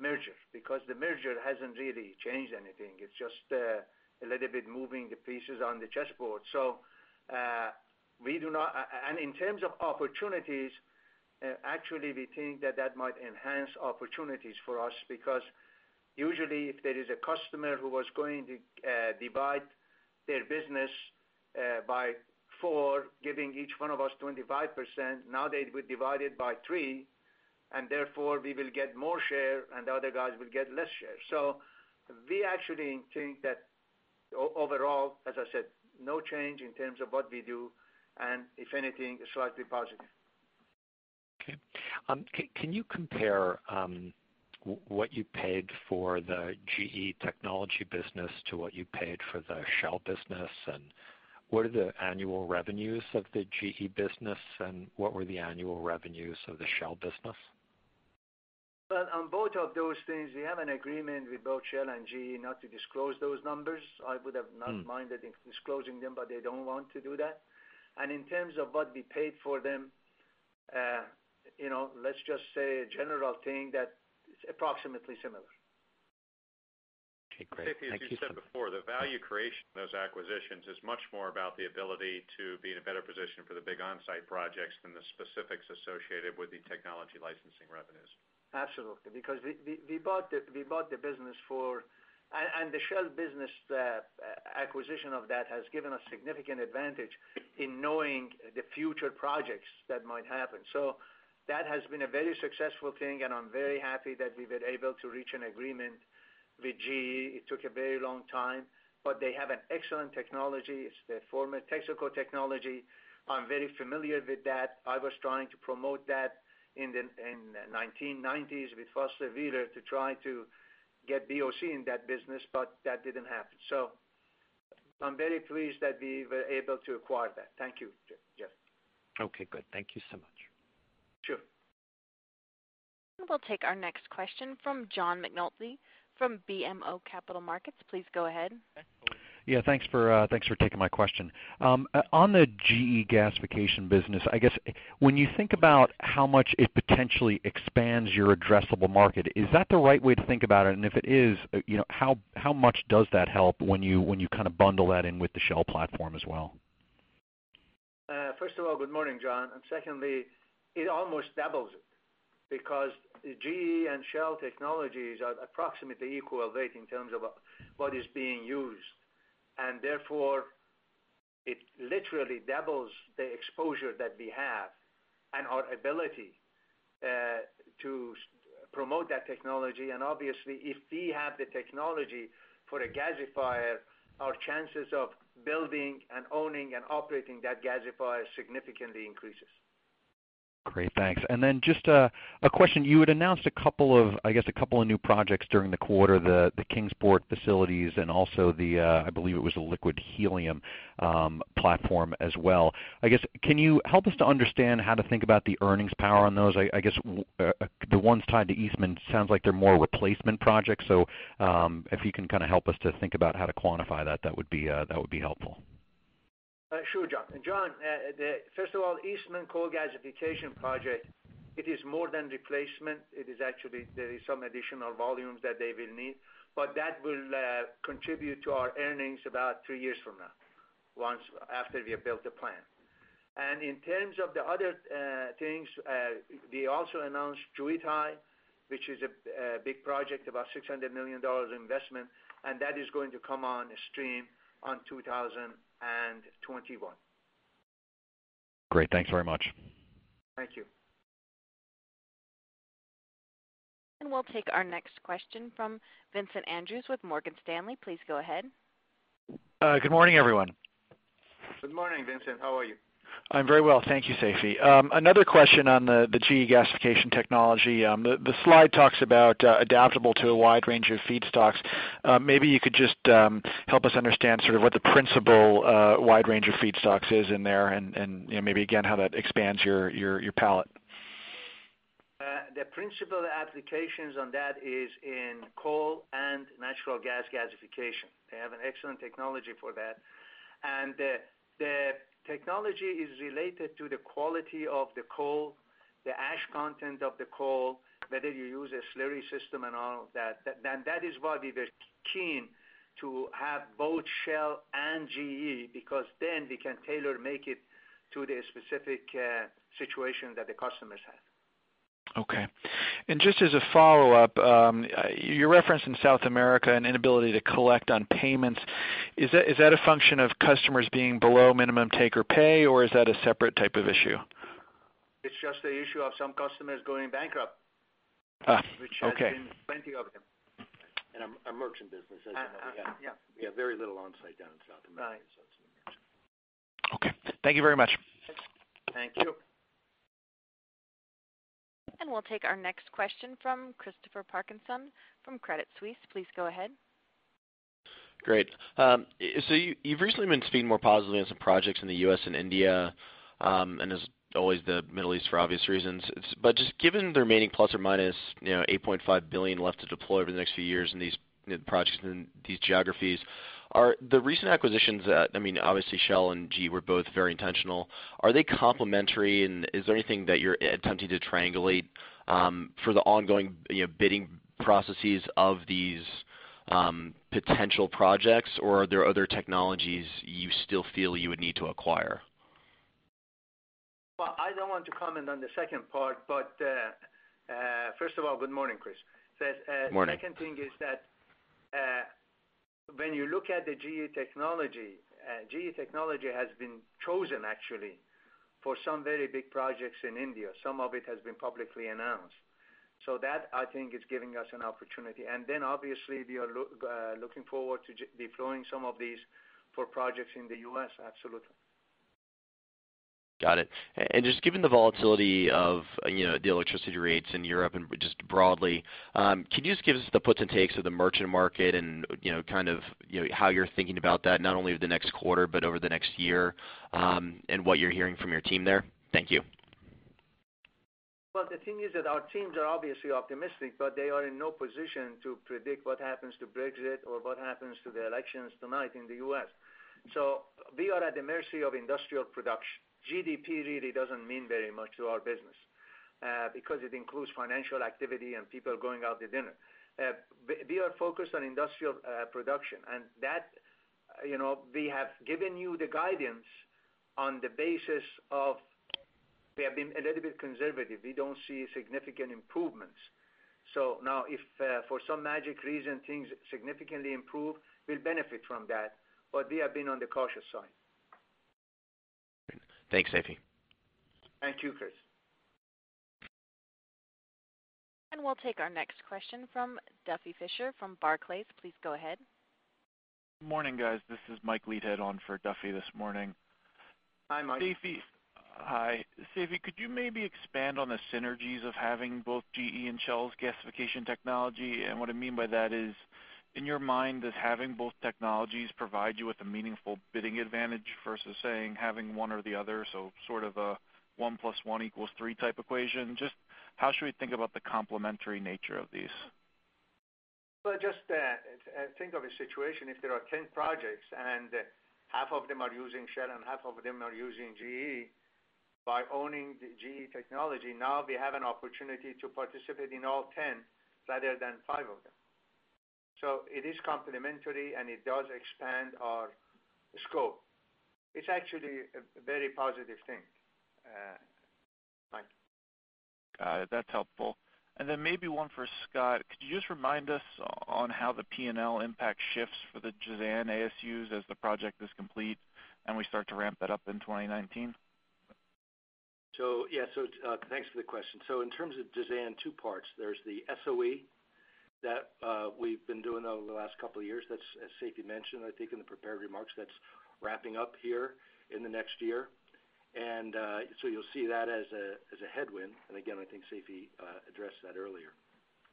merger, because the merger hasn't really changed anything. It's just a little bit moving the pieces on the chessboard. In terms of opportunities, actually, we think that that might enhance opportunities for us, because usually if there is a customer who was going to divide their business by four, giving each one of us 25%, now they will divide it by three, and therefore we will get more share and the other guys will get less share. We actually think that overall, as I said, no change in terms of what we do, and if anything, slightly positive. Okay. Can you compare what you paid for the GE technology business to what you paid for the Shell business, and what are the annual revenues of the GE business, and what were the annual revenues of the Shell business? On both of those things, we have an agreement with both Shell and GE not to disclose those numbers. I would have not minded disclosing them, but they don't want to do that. In terms of what we paid for them, let's just say a general thing that it's approximately similar. Okay, great. Thank you. Seifi, as you said before, the value creation of those acquisitions is much more about the ability to be in a better position for the big onsite projects than the specifics associated with the technology licensing revenues. Absolutely, the Shell business, the acquisition of that has given us significant advantage in knowing the future projects that might happen. That has been a very successful thing, and I'm very happy that we were able to reach an agreement with GE. It took a very long time, they have an excellent technology. It's the former Texaco technology. I'm very familiar with that. I was trying to promote that in the 1990s with Foster Wheeler to try to get BOC in that business, that didn't happen. I'm very pleased that we were able to acquire that. Thank you, Jeff. Okay, good. Thank you so much. Sure. We'll take our next question from John McNulty from BMO Capital Markets. Please go ahead. Yeah, thanks for taking my question. On the GE gasification business, I guess, when you think about how much it potentially expands your addressable market, is that the right way to think about it? If it is, how much does that help when you kind of bundle that in with the Shell platform as well? First of all, good morning, John. Secondly, it almost doubles it because the GE and Shell technologies are approximately equal weight in terms of what is being used. Therefore, it literally doubles the exposure that we have and our ability to promote that technology. Obviously, if we have the technology for a gasifier, our chances of building and owning and operating that gasifier significantly increases. Great, thanks. Just a question. You had announced, I guess, a couple of new projects during the quarter, the Kingsport facilities and also the, I believe it was a liquid helium platform as well. I guess, can you help us to understand how to think about the earnings power on those? I guess the ones tied to Eastman sounds like they're more replacement projects. If you can help us to think about how to quantify that would be helpful. Sure, John. John, first of all, Eastman Coal Gasification project, it is more than replacement. It is actually, there is some additional volumes that they will need. That will contribute to our earnings about two years from now, once after we have built the plant. In terms of the other things, we also announced Jiutai, which is a big project, about $600 million investment, and that is going to come on stream in 2021. Great. Thanks very much. Thank you. We'll take our next question from Vincent Andrews with Morgan Stanley. Please go ahead. Good morning, everyone. Good morning, Vincent. How are you? I'm very well. Thank you, Seifi. Another question on the GE gasification technology. The slide talks about adaptable to a wide range of feedstocks. Maybe you could just help us understand sort of what the principal wide range of feedstocks is in there, and maybe again, how that expands your palette. The principal applications on that is in coal and natural gas gasification. They have an excellent technology for that. The technology is related to the quality of the coal, the ash content of the coal, whether you use a slurry system and all of that. That is why we were keen to have both Shell and GE, because then we can tailor make it to the specific situation that the customers have. Okay. Just as a follow-up, you're referencing South America and inability to collect on payments. Is that a function of customers being below minimum take or pay, or is that a separate type of issue? It's just the issue of some customers going bankrupt. Okay. Which has been plenty of them. A merchant business, as you know. Yeah. We have very little onsite down in South America. Okay. Thank you very much. Thank you. We'll take our next question from Christopher Parkinson from Credit Suisse. Please go ahead. Great. You've recently been speaking more positively on some projects in the U.S. and India, as always, the Middle East for obvious reasons. Just given the remaining ±$8.5 billion left to deploy over the next few years in these projects in these geographies, are the recent acquisitions that, obviously Shell and GE were both very intentional, are they complementary and is there anything that you're attempting to triangulate for the ongoing bidding processes of these potential projects, or are there other technologies you still feel you would need to acquire? I don't want to comment on the second part, first of all, good morning, Chris. Morning. Second thing is that when you look at the GE technology, GE technology has been chosen actually for some very big projects in India. Some of it has been publicly announced. That I think is giving us an opportunity. Obviously we are looking forward to deploying some of these for projects in the U.S., absolutely. Got it. Just given the volatility of the electricity rates in Europe and just broadly, can you just give us the puts and takes of the merchant market and kind of how you're thinking about that, not only over the next quarter, but over the next year, and what you're hearing from your team there? Thank you. Well, the thing is that our teams are obviously optimistic, but they are in no position to predict what happens to Brexit or what happens to the elections tonight in the U.S. We are at the mercy of industrial production. GDP really doesn't mean very much to our business, because it includes financial activity and people going out to dinner. We are focused on industrial production, that we have given you the guidance on the basis of we have been a little bit conservative. We don't see significant improvements. Now if for some magic reason things significantly improve, we'll benefit from that. We have been on the cautious side. Thanks, Seifi. Thank you, Chris. We'll take our next question from Duffy Fischer from Barclays. Please go ahead. Morning, guys. This is Mike Leithead on for Duffy this morning. Hi, Mike. Seifi. Hi. Seifi, could you maybe expand on the synergies of having both GE and Shell's gasification technology? What I mean by that is, in your mind, does having both technologies provide you with a meaningful bidding advantage versus saying having one or the other, so sort of a one plus one equals 3 type equation? Just how should we think about the complementary nature of these? Well, just think of a situation, if there are 10 projects and half of them are using Shell and half of them are using GE. By owning the GE technology, now we have an opportunity to participate in all 10 rather than 5 of them. It is complementary, and it does expand our scope. It's actually a very positive thing. Mike. Got it. That's helpful. Maybe one for Scott. Could you just remind us on how the P&L impact shifts for the Jazan ASUs as the project is complete and we start to ramp it up in 2019? Yeah. Thanks for the question. In terms of Jazan, two parts. There's the SOE that we've been doing over the last couple of years. That's, as Seifi mentioned, I think in the prepared remarks, that's wrapping up here in the next year. You'll see that as a headwind. Again, I think Seifi addressed that earlier.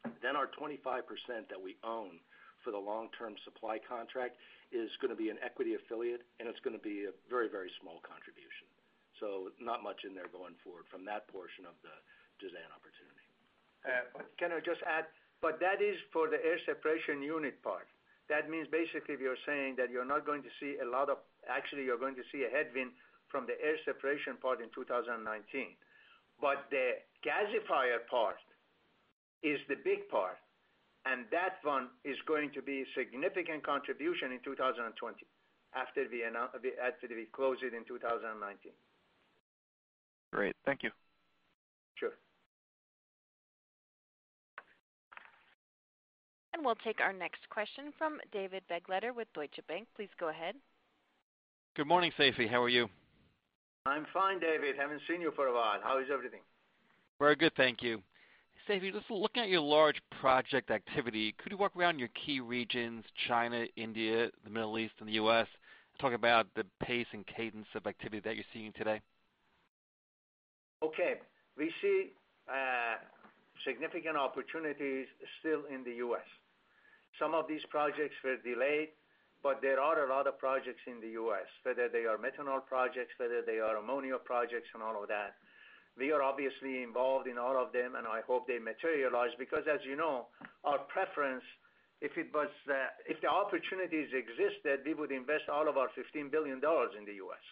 Our 25% that we own for the long-term supply contract is going to be an equity affiliate, and it's going to be a very, very small contribution. Not much in there going forward from that portion of the Jazan opportunity. Can I just add? That is for the Air Separation Unit part. That means basically we are saying that actually you're going to see a headwind from the Air Separation part in 2019. The gasifier part is the big part, and that one is going to be a significant contribution in 2020 after we close it in 2019. Great. Thank you. Sure. We'll take our next question from David Begleiter with Deutsche Bank. Please go ahead. Good morning, Seifi. How are you? I'm fine, David. Haven't seen you for a while. How is everything? Very good, thank you. Seifi, just looking at your large project activity, could you walk around your key regions, China, India, the Middle East, and the U.S., talk about the pace and cadence of activity that you're seeing today? Okay. We see significant opportunities still in the U.S. Some of these projects were delayed, but there are a lot of projects in the U.S., whether they are methanol projects, whether they are ammonia projects, and all of that. We are obviously involved in all of them, and I hope they materialize because, as you know, our preference, if the opportunities existed, we would invest all of our $15 billion in the U.S.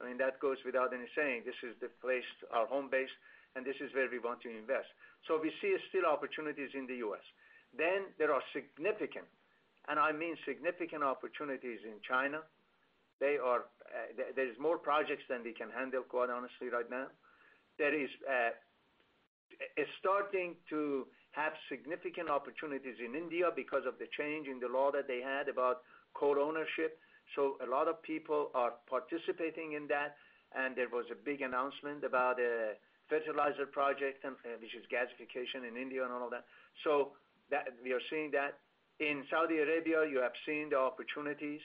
I mean, that goes without any saying. This is the place, our home base, and this is where we want to invest. We see still opportunities in the U.S. There are significant, and I mean significant opportunities in China. There's more projects than we can handle, quite honestly right now. There is starting to have significant opportunities in India because of the change in the law that they had about coal ownership. A lot of people are participating in that. There was a big announcement about a fertilizer project, which is gasification in India and all of that. We are seeing that. In Saudi Arabia, you have seen the opportunities,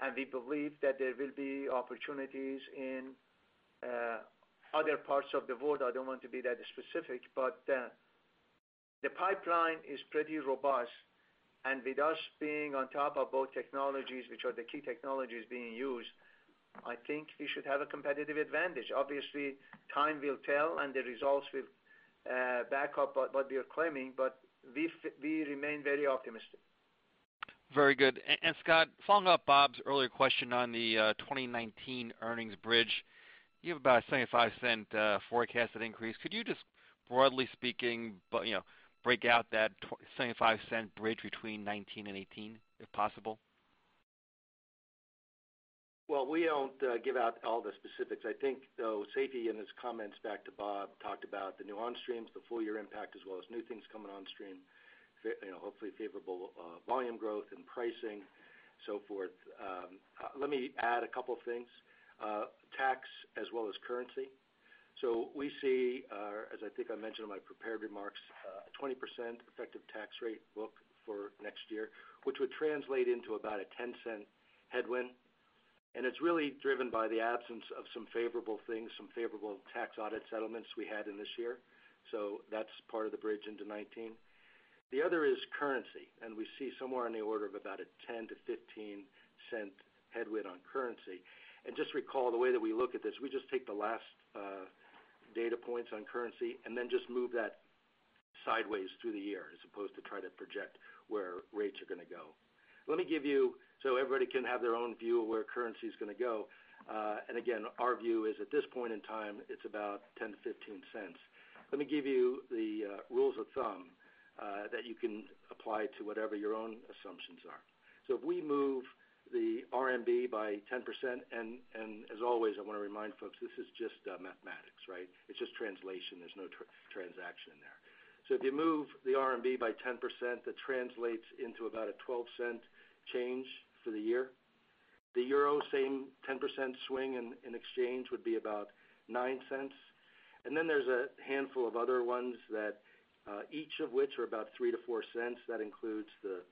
and we believe that there will be opportunities in other parts of the world. I don't want to be that specific, but the pipeline is pretty robust. With us being on top of both technologies, which are the key technologies being used, I think we should have a competitive advantage. Obviously, time will tell, and the results will back up what we are claiming, but we remain very optimistic. Very good. Scott, following up Bob's earlier question on the 2019 earnings bridge, you have about a $0.75 forecasted increase. Could you just broadly speaking, break out that $0.75 bridge between 2019 and 2018, if possible? Well, we don't give out all the specifics. I think, though, Seifi in his comments back to Bob, talked about the new on-streams, the full-year impact, as well as new things coming on-stream, hopefully favorable volume growth and pricing, so forth. Let me add a couple of things. Tax as well as currency. We see, as I think I mentioned in my prepared remarks, a 20% effective tax rate book for next year, which would translate into about a $0.10 headwind. It's really driven by the absence of some favorable things, some favorable tax audit settlements we had in this year. That's part of the bridge into 2019. The other is currency, we see somewhere on the order of about a $0.10 to $0.15 headwind on currency. Just recall the way that we look at this, we just take the last data points on currency and then just move that sideways through the year as opposed to try to project where rates are going to go. Everybody can have their own view of where currency's going to go. Again, our view is at this point in time, it's about $0.10 to $0.15. Let me give you the rules of thumb that you can apply to whatever your own assumptions are. If we move the RMB by 10%, as always, I want to remind folks, this is just mathematics. It's just translation. There's no transaction there. If you move the RMB by 10%, that translates into about a $0.12 change for the year. The euro, same 10% swing in exchange, would be about $0.09. Then there's a handful of other ones that each of which are about $0.03 to $0.04. That includes the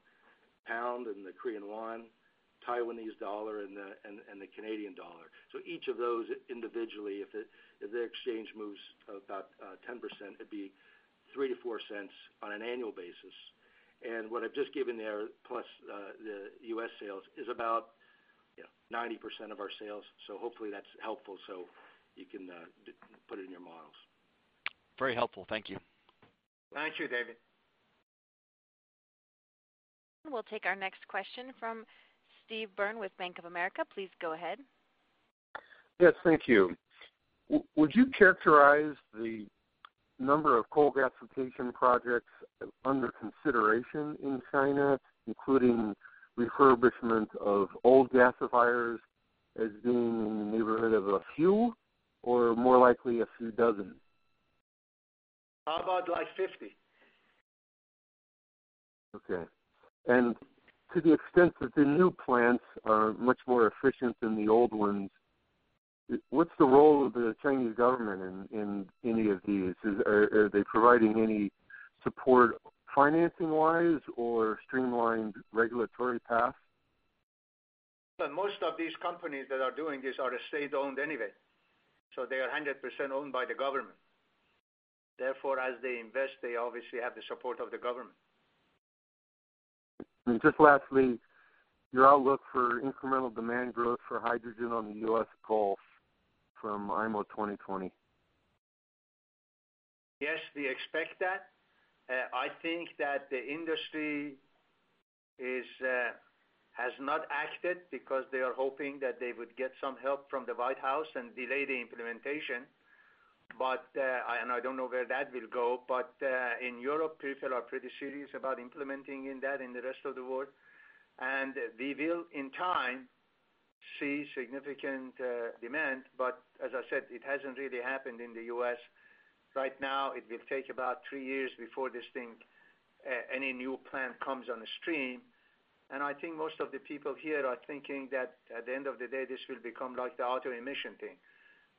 GBP and the KRW, the TWD, and the CAD. Each of those individually, if their exchange moves about 10%, it'd be $0.03 to $0.04 on an annual basis. What I've just given there, plus the U.S. sales, is about 90% of our sales. Hopefully that's helpful so you can put it in your models. Very helpful. Thank you. Thank you, David. We'll take our next question from Steve Byrne with Bank of America. Please go ahead. Yes, thank you. Would you characterize the number of coal gasification projects under consideration in China, including refurbishment of old gasifiers, as being in the neighborhood of a few or more likely a few dozen? How about like 50? Okay. To the extent that the new plants are much more efficient than the old ones, what's the role of the Chinese government in any of these? Are they providing any support financing-wise or streamlined regulatory path? Most of these companies that are doing this are state-owned anyway. They are 100% owned by the government. Therefore, as they invest, they obviously have the support of the government. Just lastly, your outlook for incremental demand growth for hydrogen on the U.S. Gulf from IMO 2020. Yes, we expect that. I think that the industry has not acted because they are hoping that they would get some help from the White House and delay the implementation. I don't know where that will go, but in Europe, people are pretty serious about implementing that in the rest of the world. We will, in time, see significant demand. As I said, it hasn't really happened in the U.S. Right now, it will take about three years before any new plant comes on the stream. I think most of the people here are thinking that at the end of the day, this will become like the auto emission thing.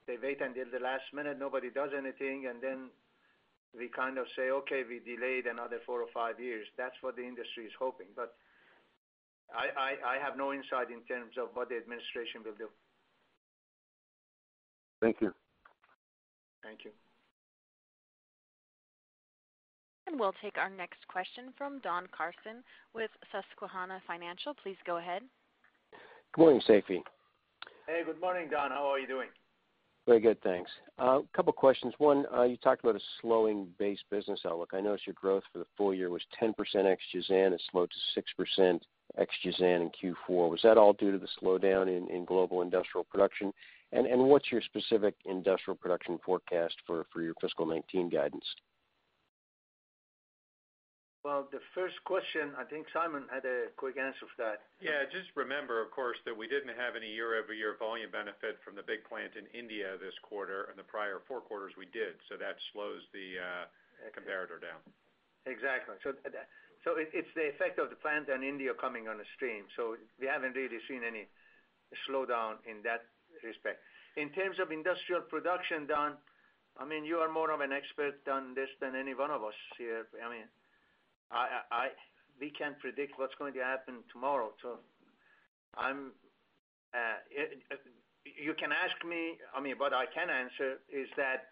They wait until the last minute, nobody does anything, and then we say, "Okay, we delayed another four or five years." That's what the industry is hoping, I have no insight in terms of what the administration will do. Thank you. Thank you. We'll take our next question from Don Carson with Susquehanna Financial. Please go ahead. Good morning, Seifi. Hey, good morning, Don. How are you doing? Very good, thanks. A couple questions. One, you talked about a slowing base business outlook. I noticed your growth for the full year was 10% ex Jazan. It slowed to 6% ex Jazan in Q4. Was that all due to the slowdown in global industrial production? What's your specific industrial production forecast for your fiscal 2019 guidance? The first question, I think Simon had a quick answer for that. Just remember, of course, that we didn't have any year-over-year volume benefit from the big plant in India this quarter, and the prior four quarters we did. That slows the comparator down. Exactly. It's the effect of the plant in India coming on the stream. We haven't really seen any slowdown in that respect. In terms of industrial production, Don, you are more of an expert on this than any one of us here. We can't predict what's going to happen tomorrow. What I can answer is that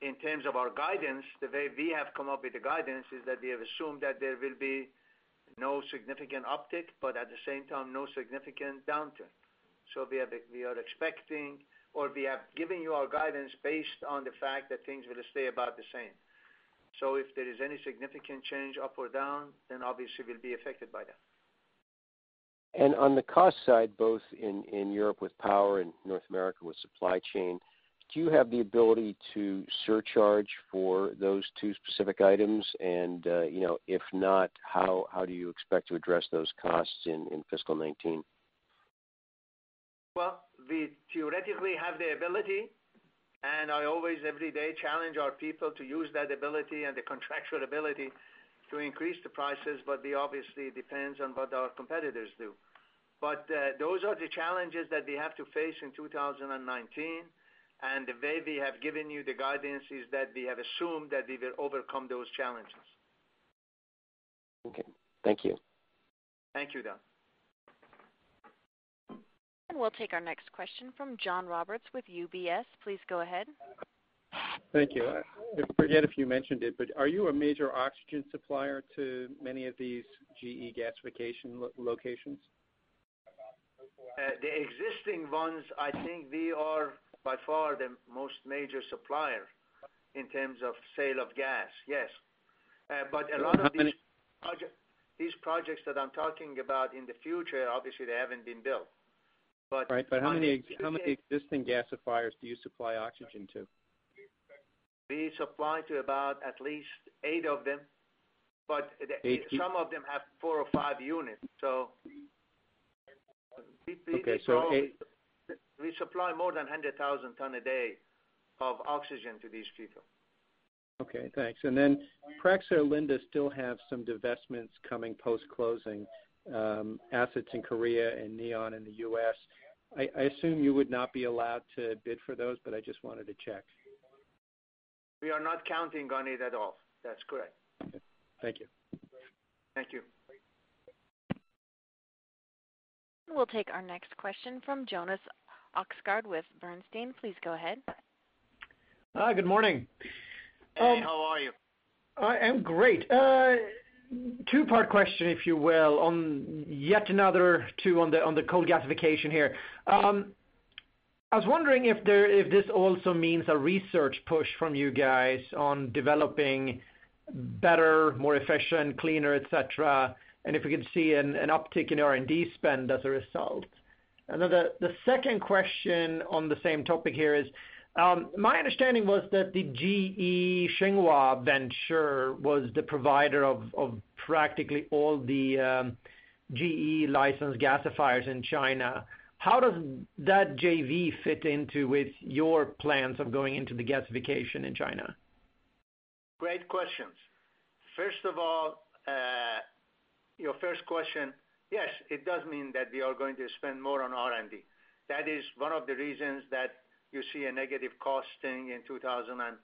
in terms of our guidance, the way we have come up with the guidance is that we have assumed that there will be no significant uptick, but at the same time, no significant downturn. We are expecting, or we have given you our guidance based on the fact that things will stay about the same. If there is any significant change up or down, then obviously we'll be affected by that. On the cost side, both in Europe with power and North America with supply chain, do you have the ability to surcharge for those two specific items? If not, how do you expect to address those costs in FY 2019? Well, we theoretically have the ability, I always, every day, challenge our people to use that ability and the contractual ability to increase the prices. Obviously, it depends on what our competitors do. Those are the challenges that we have to face in 2019. The way we have given you the guidance is that we have assumed that we will overcome those challenges. Okay. Thank you. Thank you, Don. We'll take our next question from John Roberts with UBS. Please go ahead. Thank you. I forget if you mentioned it, are you a major oxygen supplier to many of these GE gasification locations? The existing ones, I think we are by far the most major supplier in terms of sale of gas. Yes. A lot of these- How many- These projects that I'm talking about in the future, obviously, they haven't been built. - Right. How many existing gasifiers do you supply oxygen to? We supply to about at least eight of them. Eight- Some of them have four or five units. Okay. We supply more than 100,000 ton a day of oxygen to these people. Linde plc still have some divestments coming post-closing, assets in Korea and neon in the U.S. I assume you would not be allowed to bid for those, but I just wanted to check. We are not counting on it at all. That's correct. Okay. Thank you. Thank you. We'll take our next question from Jonas Oxgaard with Bernstein. Please go ahead. Hi, good morning. Hey, how are you? I am great. Two-part question, if you will, on yet another two on the coal gasification here. I was wondering if this also means a research push from you guys on developing better, more efficient, cleaner, et cetera, and if we could see an uptick in R&D spend as a result. The second question on the same topic here is, my understanding was that the GE Tsinghua venture was the provider of practically all the GE-licensed gasifiers in China. How does that JV fit in with your plans of going into the gasification in China? Great questions. First of all, your first question. Yes, it does mean that we are going to spend more on R&D. That is one of the reasons that you see a negative costing in 2018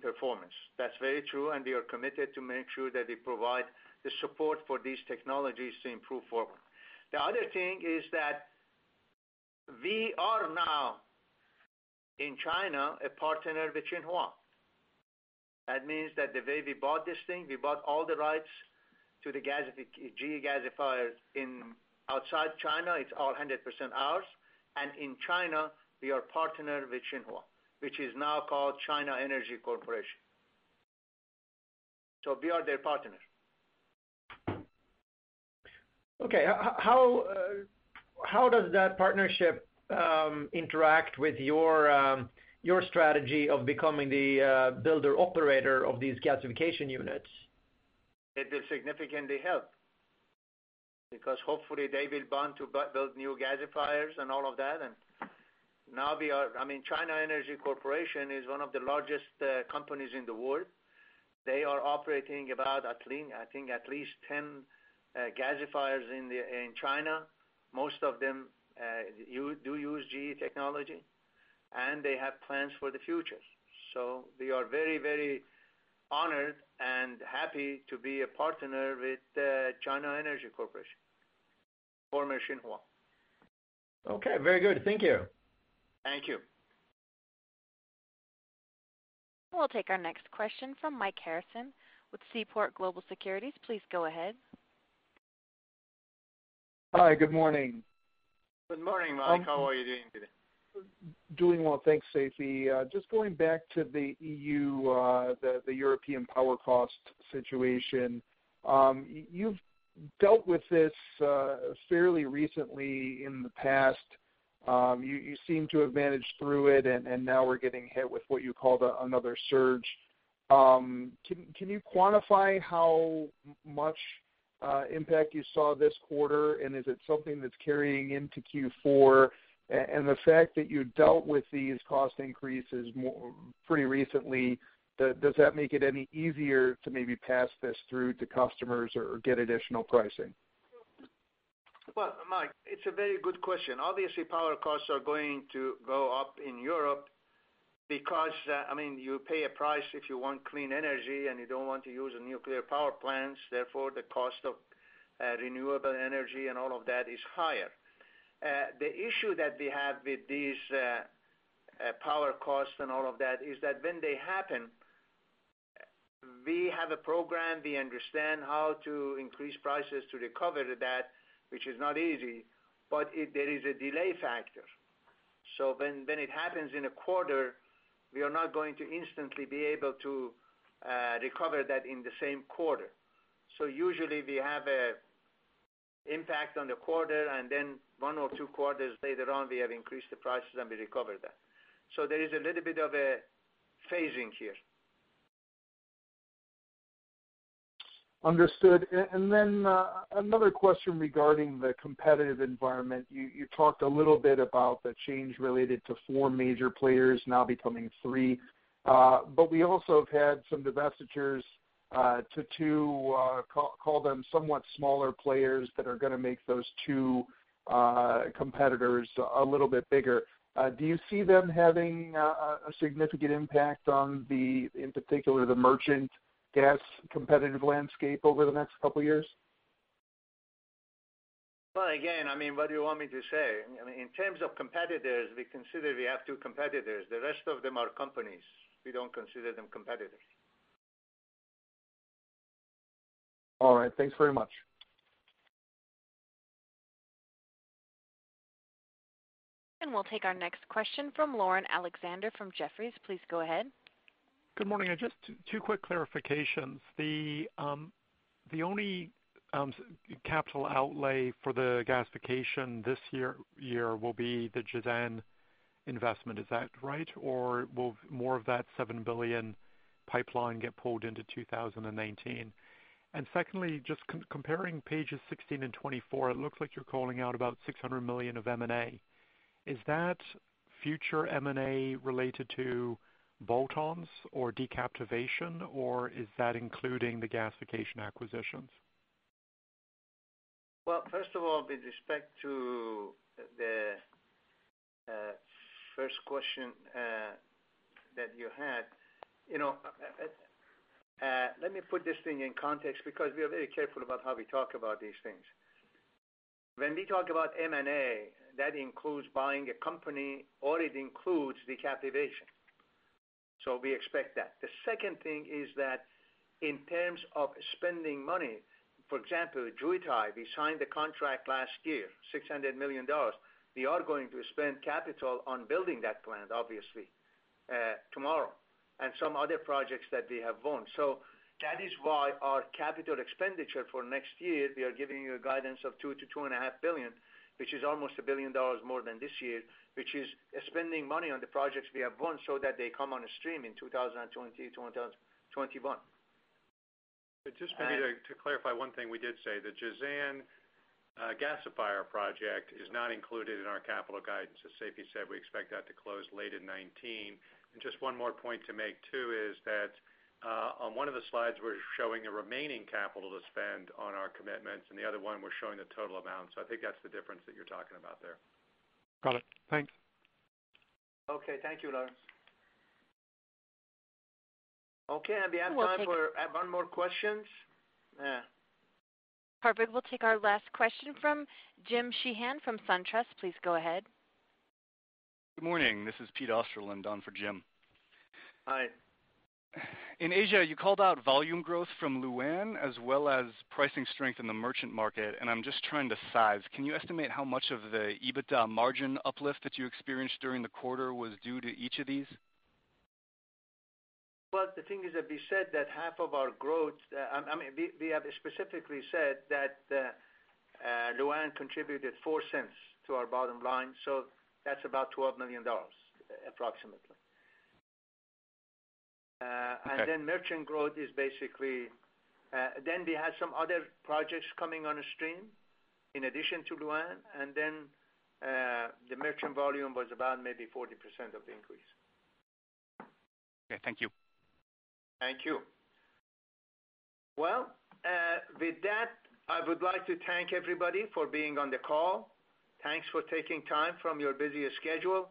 performance. That's very true, and we are committed to make sure that we provide the support for these technologies to improve forward. The other thing is that we are now, in China, a partner with Tsinghua. That means that the way we bought this thing, we bought all the rights to the GE gasifier outside China. It's all 100% ours. In China, we are partner with Tsinghua, which is now called China Energy Corporation. We are their partner. Okay. How does that partnership interact with your strategy of becoming the builder-operator of these gasification units? It will significantly help, because hopefully they will bond to build new gasifiers and all of that. China Energy Corporation is one of the largest companies in the world. They are operating about, I think, at least 10 gasifiers in China. Most of them do use GE technology, and they have plans for the future. We are very honored and happy to be a partner with China Energy Corporation, former Tsinghua. Okay. Very good. Thank you. Thank you. We'll take our next question from Mike Harrison with Seaport Global Securities. Please go ahead. Hi, good morning. Good morning, Mike. How are you doing today? Doing well, thanks, Seifi. Just going back to the EU, the European power cost situation. You've dealt with this fairly recently in the past. You seem to have managed through it. Now we're getting hit with what you call another surge. Can you quantify how much impact you saw this quarter, is it something that's carrying into Q4? The fact that you dealt with these cost increases pretty recently, does that make it any easier to maybe pass this through to customers or get additional pricing? Well, Mike, it's a very good question. Obviously, power costs are going to go up in Europe because you pay a price if you want clean energy. You don't want to use nuclear power plants, therefore, the cost of renewable energy and all of that is higher. The issue that we have with these power costs and all of that, is that when they happen, we have a program, we understand how to increase prices to recover that, which is not easy. There is a delay factor. When it happens in a quarter, we are not going to instantly be able to recover that in the same quarter. Usually, we have an impact on the quarter, then one or two quarters later on, we have increased the prices. We recover that. There is a little bit of a phasing here. Understood. Then another question regarding the competitive environment. You talked a little bit about the change related to four major players now becoming three. We also have had some divestitures to two, call them somewhat smaller players that are going to make those two competitors a little bit bigger. Do you see them having a significant impact on, in particular, the merchant gas competitive landscape over the next couple of years? Well, again, what do you want me to say? In terms of competitors, we consider we have two competitors. The rest of them are companies. We don't consider them competitors. All right. Thanks very much. We'll take our next question from Laurence Alexander from Jefferies. Please go ahead. Good morning. Just two quick clarifications. The only capital outlay for the gasification this year will be the Jazan investment. Is that right? Or will more of that $7 billion pipeline get pulled into 2019? Secondly, just comparing pages 16 and 24, it looks like you're calling out about $600 million of M&A. Is that future M&A related to bolt-ons or de-captivate, or is that including the gasification acquisitions? First of all, with respect to the first question that you had. Let me put this thing in context because we are very careful about how we talk about these things. When we talk about M&A, that includes buying a company, or it includes de-captivate. We expect that. The second thing is that in terms of spending money, for example, Jiutai, we signed a contract last year, $600 million. We are going to spend capital on building that plant, obviously, tomorrow, and some other projects that we have won. That is why our capital expenditure for next year, we are giving you a guidance of $2 billion to $2.5 billion, which is almost $1 billion more than this year, which is spending money on the projects we have won so that they come on a stream in 2020, 2021. Just maybe to clarify one thing we did say. The Jazan Gasifier project is not included in our capital guidance. As Seifi said, we expect that to close late in 2019. Just one more point to make, too, is that on one of the slides, we're showing a remaining capital to spend on our commitments, and the other one, we're showing the total amount. I think that's the difference that you're talking about there. Got it. Thanks. Thank you, Laurence. We have time for one more question. Yeah. Perfect. We'll take our last question from Jim Sheehan from SunTrust. Please go ahead. Good morning. This is Pete Osterling on for Jim. Hi. In Asia, you called out volume growth from Lu'an, as well as pricing strength in the merchant market. I'm just trying to size. Can you estimate how much of the EBITDA margin uplift that you experienced during the quarter was due to each of these? Well, the thing is that we said that half of our growth. We have specifically said that Lu'an contributed $0.04 to our bottom line, so that's about $12 million, approximately. Okay. merchant growth is basically Then we had some other projects coming on the stream in addition to Lu'an, and then the merchant volume was about maybe 40% of the increase. Okay, thank you. Thank you. Well, with that, I would like to thank everybody for being on the call. Thanks for taking time from your busy schedule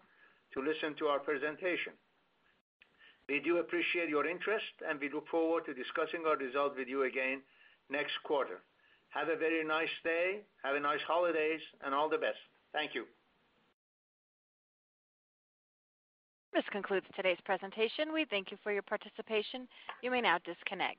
to listen to our presentation. We do appreciate your interest, and we look forward to discussing our results with you again next quarter. Have a very nice day, have a nice holidays, and all the best. Thank you. This concludes today's presentation. We thank you for your participation. You may now disconnect.